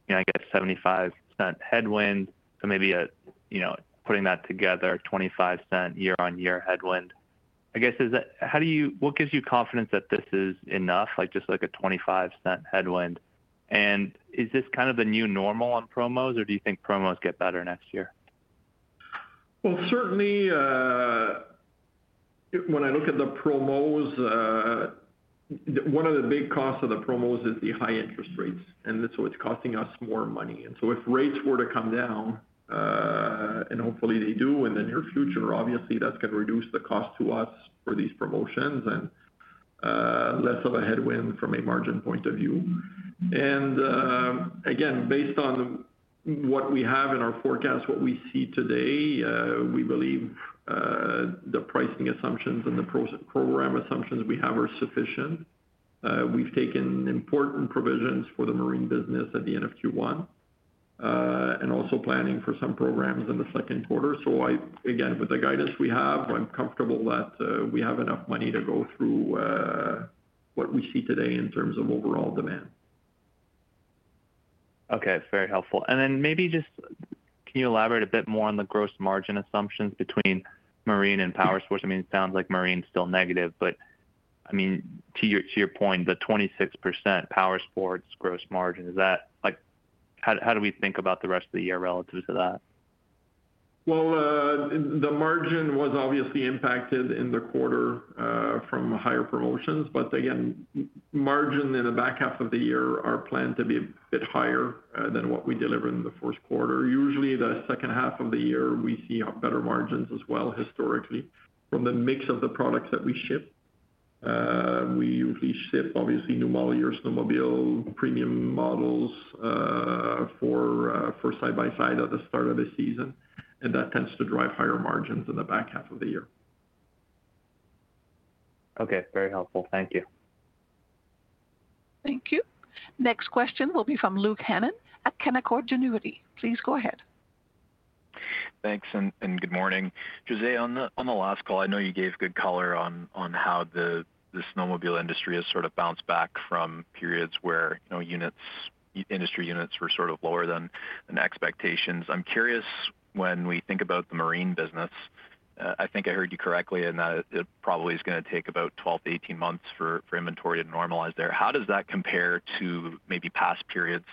you know, I guess, 0.75 headwind. So maybe, you know, putting that together, 0.25 year-on-year headwind. I guess, is that how do you... What gives you confidence that this is enough, like, just, like, a 0.25 headwind? And is this kind of the new normal on promos, or do you think promos get better next year? Well, certainly, when I look at the promos, one of the big costs of the promos is the high interest rates, and so it's costing us more money. And so if rates were to come down, and hopefully they do in the near future, obviously that's going to reduce the cost to us for these promotions and, less of a headwind from a margin point of view. And, again, based on what we have in our forecast, what we see today, we believe, the pricing assumptions and the program assumptions we have are sufficient. We've taken important provisions for the marine business at the end of Q1, and also planning for some programs in the second quarter. Again, with the guidance we have, I'm comfortable that we have enough money to go through what we see today in terms of overall demand. Okay, very helpful. And then maybe just, can you elaborate a bit more on the gross margin assumptions between Marine and Powersports? I mean, it sounds like Marine is still negative, but, I mean, to your, to your point, the 26% Powersports gross margin, is that, like... How, how do we think about the rest of the year relative to that? Well, the margin was obviously impacted in the quarter from higher promotions, but again, margin in the back half of the year are planned to be a bit higher than what we delivered in the first quarter. Usually, the second half of the year, we see better margins as well, historically, from the mix of the products that we ship. We usually ship, obviously, new model year snowmobile premium models for side-by-side at the start of the season, and that tends to drive higher margins in the back half of the year. Okay, very helpful. Thank you. Thank you. Next question will be from Luke Hannan at Canaccord Genuity. Please go ahead. Thanks, and good morning. José, on the last call, I know you gave good color on how the snowmobile industry has sort of bounced back from periods where, you know, units, industry units were sort of lower than expectations. I'm curious, when we think about the marine business, I think I heard you correctly, and that it probably is gonna take about 12-18 months for inventory to normalize there. How does that compare to maybe past periods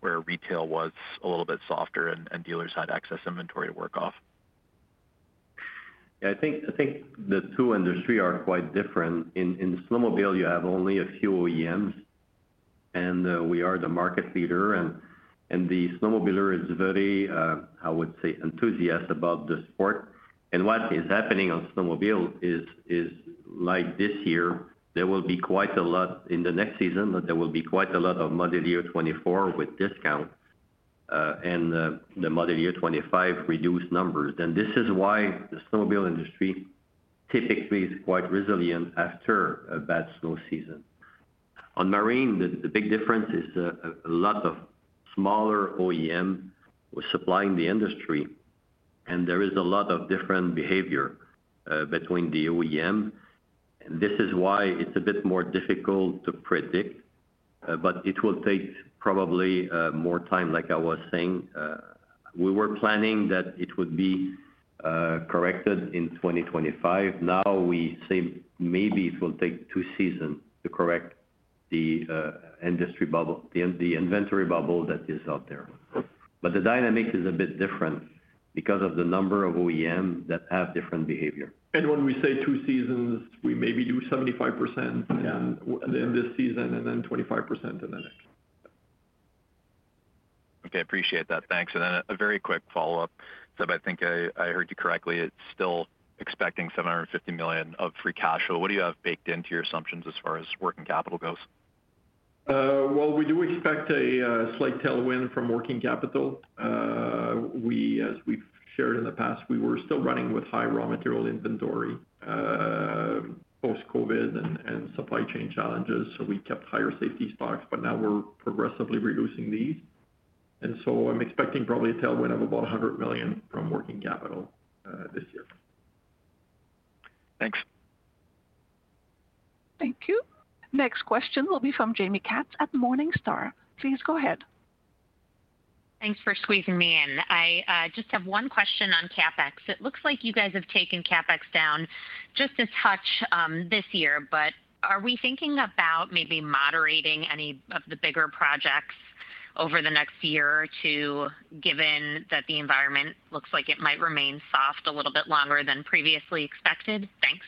where retail was a little bit softer and dealers had excess inventory to work off? Yeah, I think, I think the two industries are quite different. In snowmobile, you have only a few OEMs, and we are the market leader, and the snowmobiler is very, I would say, enthusiastic about the sport. And what is happening on snowmobile is like this year, there will be quite a lot in the next season, but there will be quite a lot of Model Year 2024 with discount, and the Model Year 2025, reduced numbers. And this is why the snowmobile industry typically is quite resilient after a bad snow season. On marine, the big difference is, a lot of smaller OEM who are supplying the industry, and there is a lot of different behavior between the OEM. This is why it's a bit more difficult to predict, but it will take probably more time, like I was saying. We were planning that it would be corrected in 2025. Now we say maybe it will take two seasons to correct the industry bubble, the inventory bubble that is out there. But the dynamic is a bit different because of the number of OEMs that have different behavior. When we say two seasons, we maybe do 75%- Yeah in this season and then 25% in the next. Okay, appreciate that. Thanks. And then a very quick follow-up. So if I think I heard you correctly, it's still expecting 750 million of free cash flow. What do you have baked into your assumptions as far as working capital goes? Well, we do expect a slight tailwind from working capital. We, as we've shared in the past, we were still running with high raw material inventory post-COVID and supply chain challenges, so we kept higher safety stocks, but now we're progressively reducing these. And so I'm expecting probably a tailwind of about 100 million from working capital this year. Thanks. Thank you. Next question will be from Jamie Katz at Morningstar. Please go ahead. Thanks for squeezing me in. I just have one question on CapEx. It looks like you guys have taken CapEx down just a touch, this year, but are we thinking about maybe moderating any of the bigger projects over the next year or two, given that the environment looks like it might remain soft a little bit longer than previously expected? Thanks....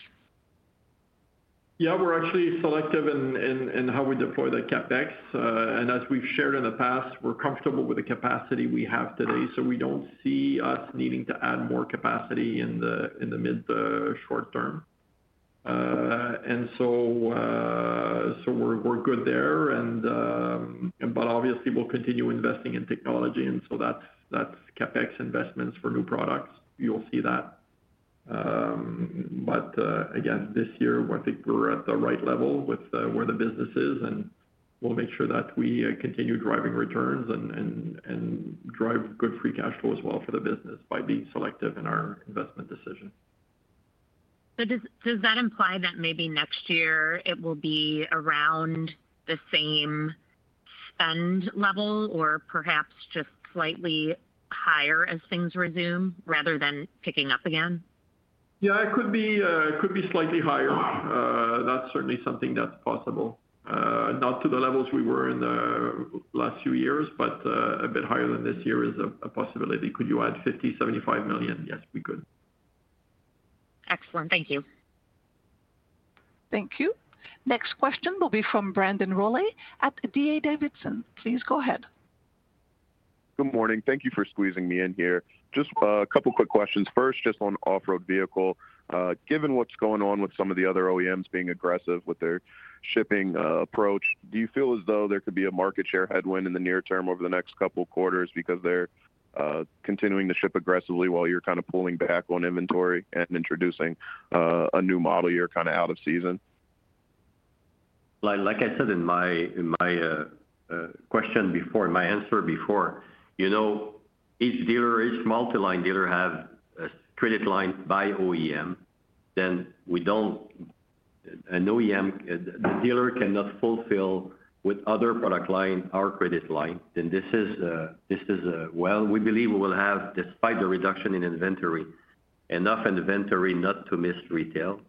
Yeah, we're actually selective in how we deploy the CapEx. And as we've shared in the past, we're comfortable with the capacity we have today, so we don't see us needing to add more capacity in the mid short term. And so we're good there, and but obviously we'll continue investing in technology, and so that's CapEx investments for new products. You'll see that. But again, this year, I think we're at the right level with where the business is, and we'll make sure that we continue driving returns and drive good free cash flow as well for the business by being selective in our investment decision. So does that imply that maybe next year it will be around the same spend level, or perhaps just slightly higher as things resume, rather than picking up again? Yeah, it could be, it could be slightly higher. That's certainly something that's possible. Not to the levels we were in the last few years, but a bit higher than this year is a possibility. Could you add 50-75 million? Yes, we could. Excellent. Thank you. Thank you. Next question will be from Brandon Rolle at D.A. Davidson. Please go ahead. Good morning. Thank you for squeezing me in here. Just a couple quick questions. First, just on off-road vehicle. Given what's going on with some of the other OEMs being aggressive with their shipping approach, do you feel as though there could be a market share headwind in the near term over the next couple quarters because they're continuing to ship aggressively while you're kind of pulling back on inventory and introducing a new model year kind of out of season? Like, like I said in my, in my, question before, in my answer before, you know, each dealer, each multi-line dealer have a credit line by OEM, then we don't... An OEM, the dealer cannot fulfill with other product line, our credit line, then this is, this is, well, we believe we will have, despite the reduction in inventory, enough inventory not to miss retail,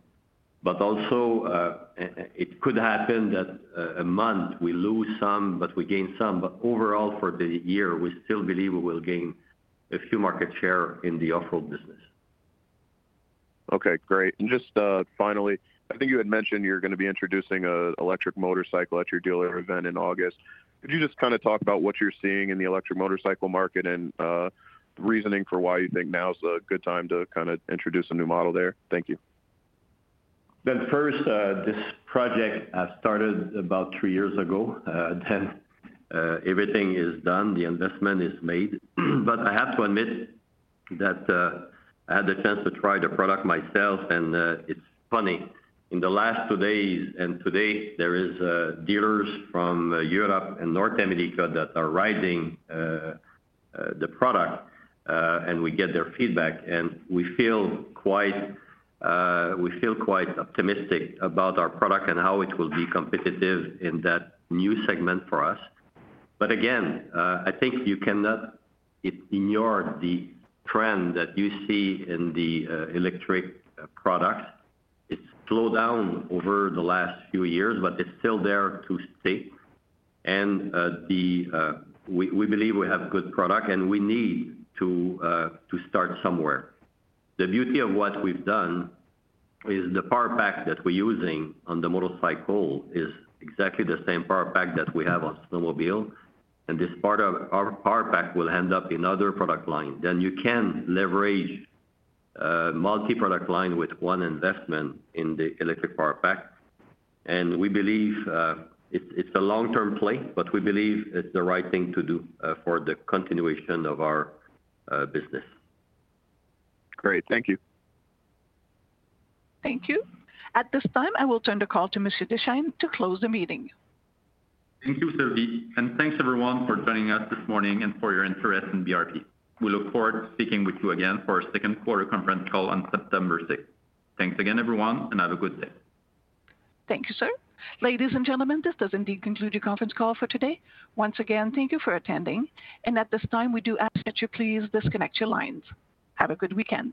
but also, it, it could happen that a, a month we lose some, but we gain some. But overall for the year, we still believe we will gain a few market share in the off-road business. Okay, great. And just, finally, I think you had mentioned you're going to be introducing an electric motorcycle at your dealer event in August. Could you just kind of talk about what you're seeing in the electric motorcycle market and, the reasoning for why you think now is a good time to kind of introduce a new model there? Thank you. First, this project started about three years ago. Then, everything is done, the investment is made. But I have to admit that, I had the chance to try the product myself, and, it's funny. In the last two days, and today, there is, dealers from Europe and North America that are riding, the product, and we get their feedback, and we feel quite, we feel quite optimistic about our product and how it will be competitive in that new segment for us. But again, I think you cannot ignore the trend that you see in the, electric products. It's slowed down over the last few years, but it's still there to stay. And, the, we, we believe we have good product, and we need to, to start somewhere. The beauty of what we've done is the power pack that we're using on the motorcycle is exactly the same power pack that we have on snowmobile, and this part of our power pack will end up in other product line. Then you can leverage multi-product line with one investment in the electric power pack. And we believe it's a long-term play, but we believe it's the right thing to do for the continuation of our business. Great. Thank you. Thank you. At this time, I will turn the call to Monsieur Deschênes to close the meeting. Thank you, Sylvie, and thanks, everyone, for joining us this morning and for your interest in BRP. We look forward to speaking with you again for our second quarter conference call on September sixth. Thanks again, everyone, and have a good day. Thank you, sir. Ladies and gentlemen, this does indeed conclude your conference call for today. Once again, thank you for attending. At this time, we do ask that you please disconnect your lines. Have a good weekend.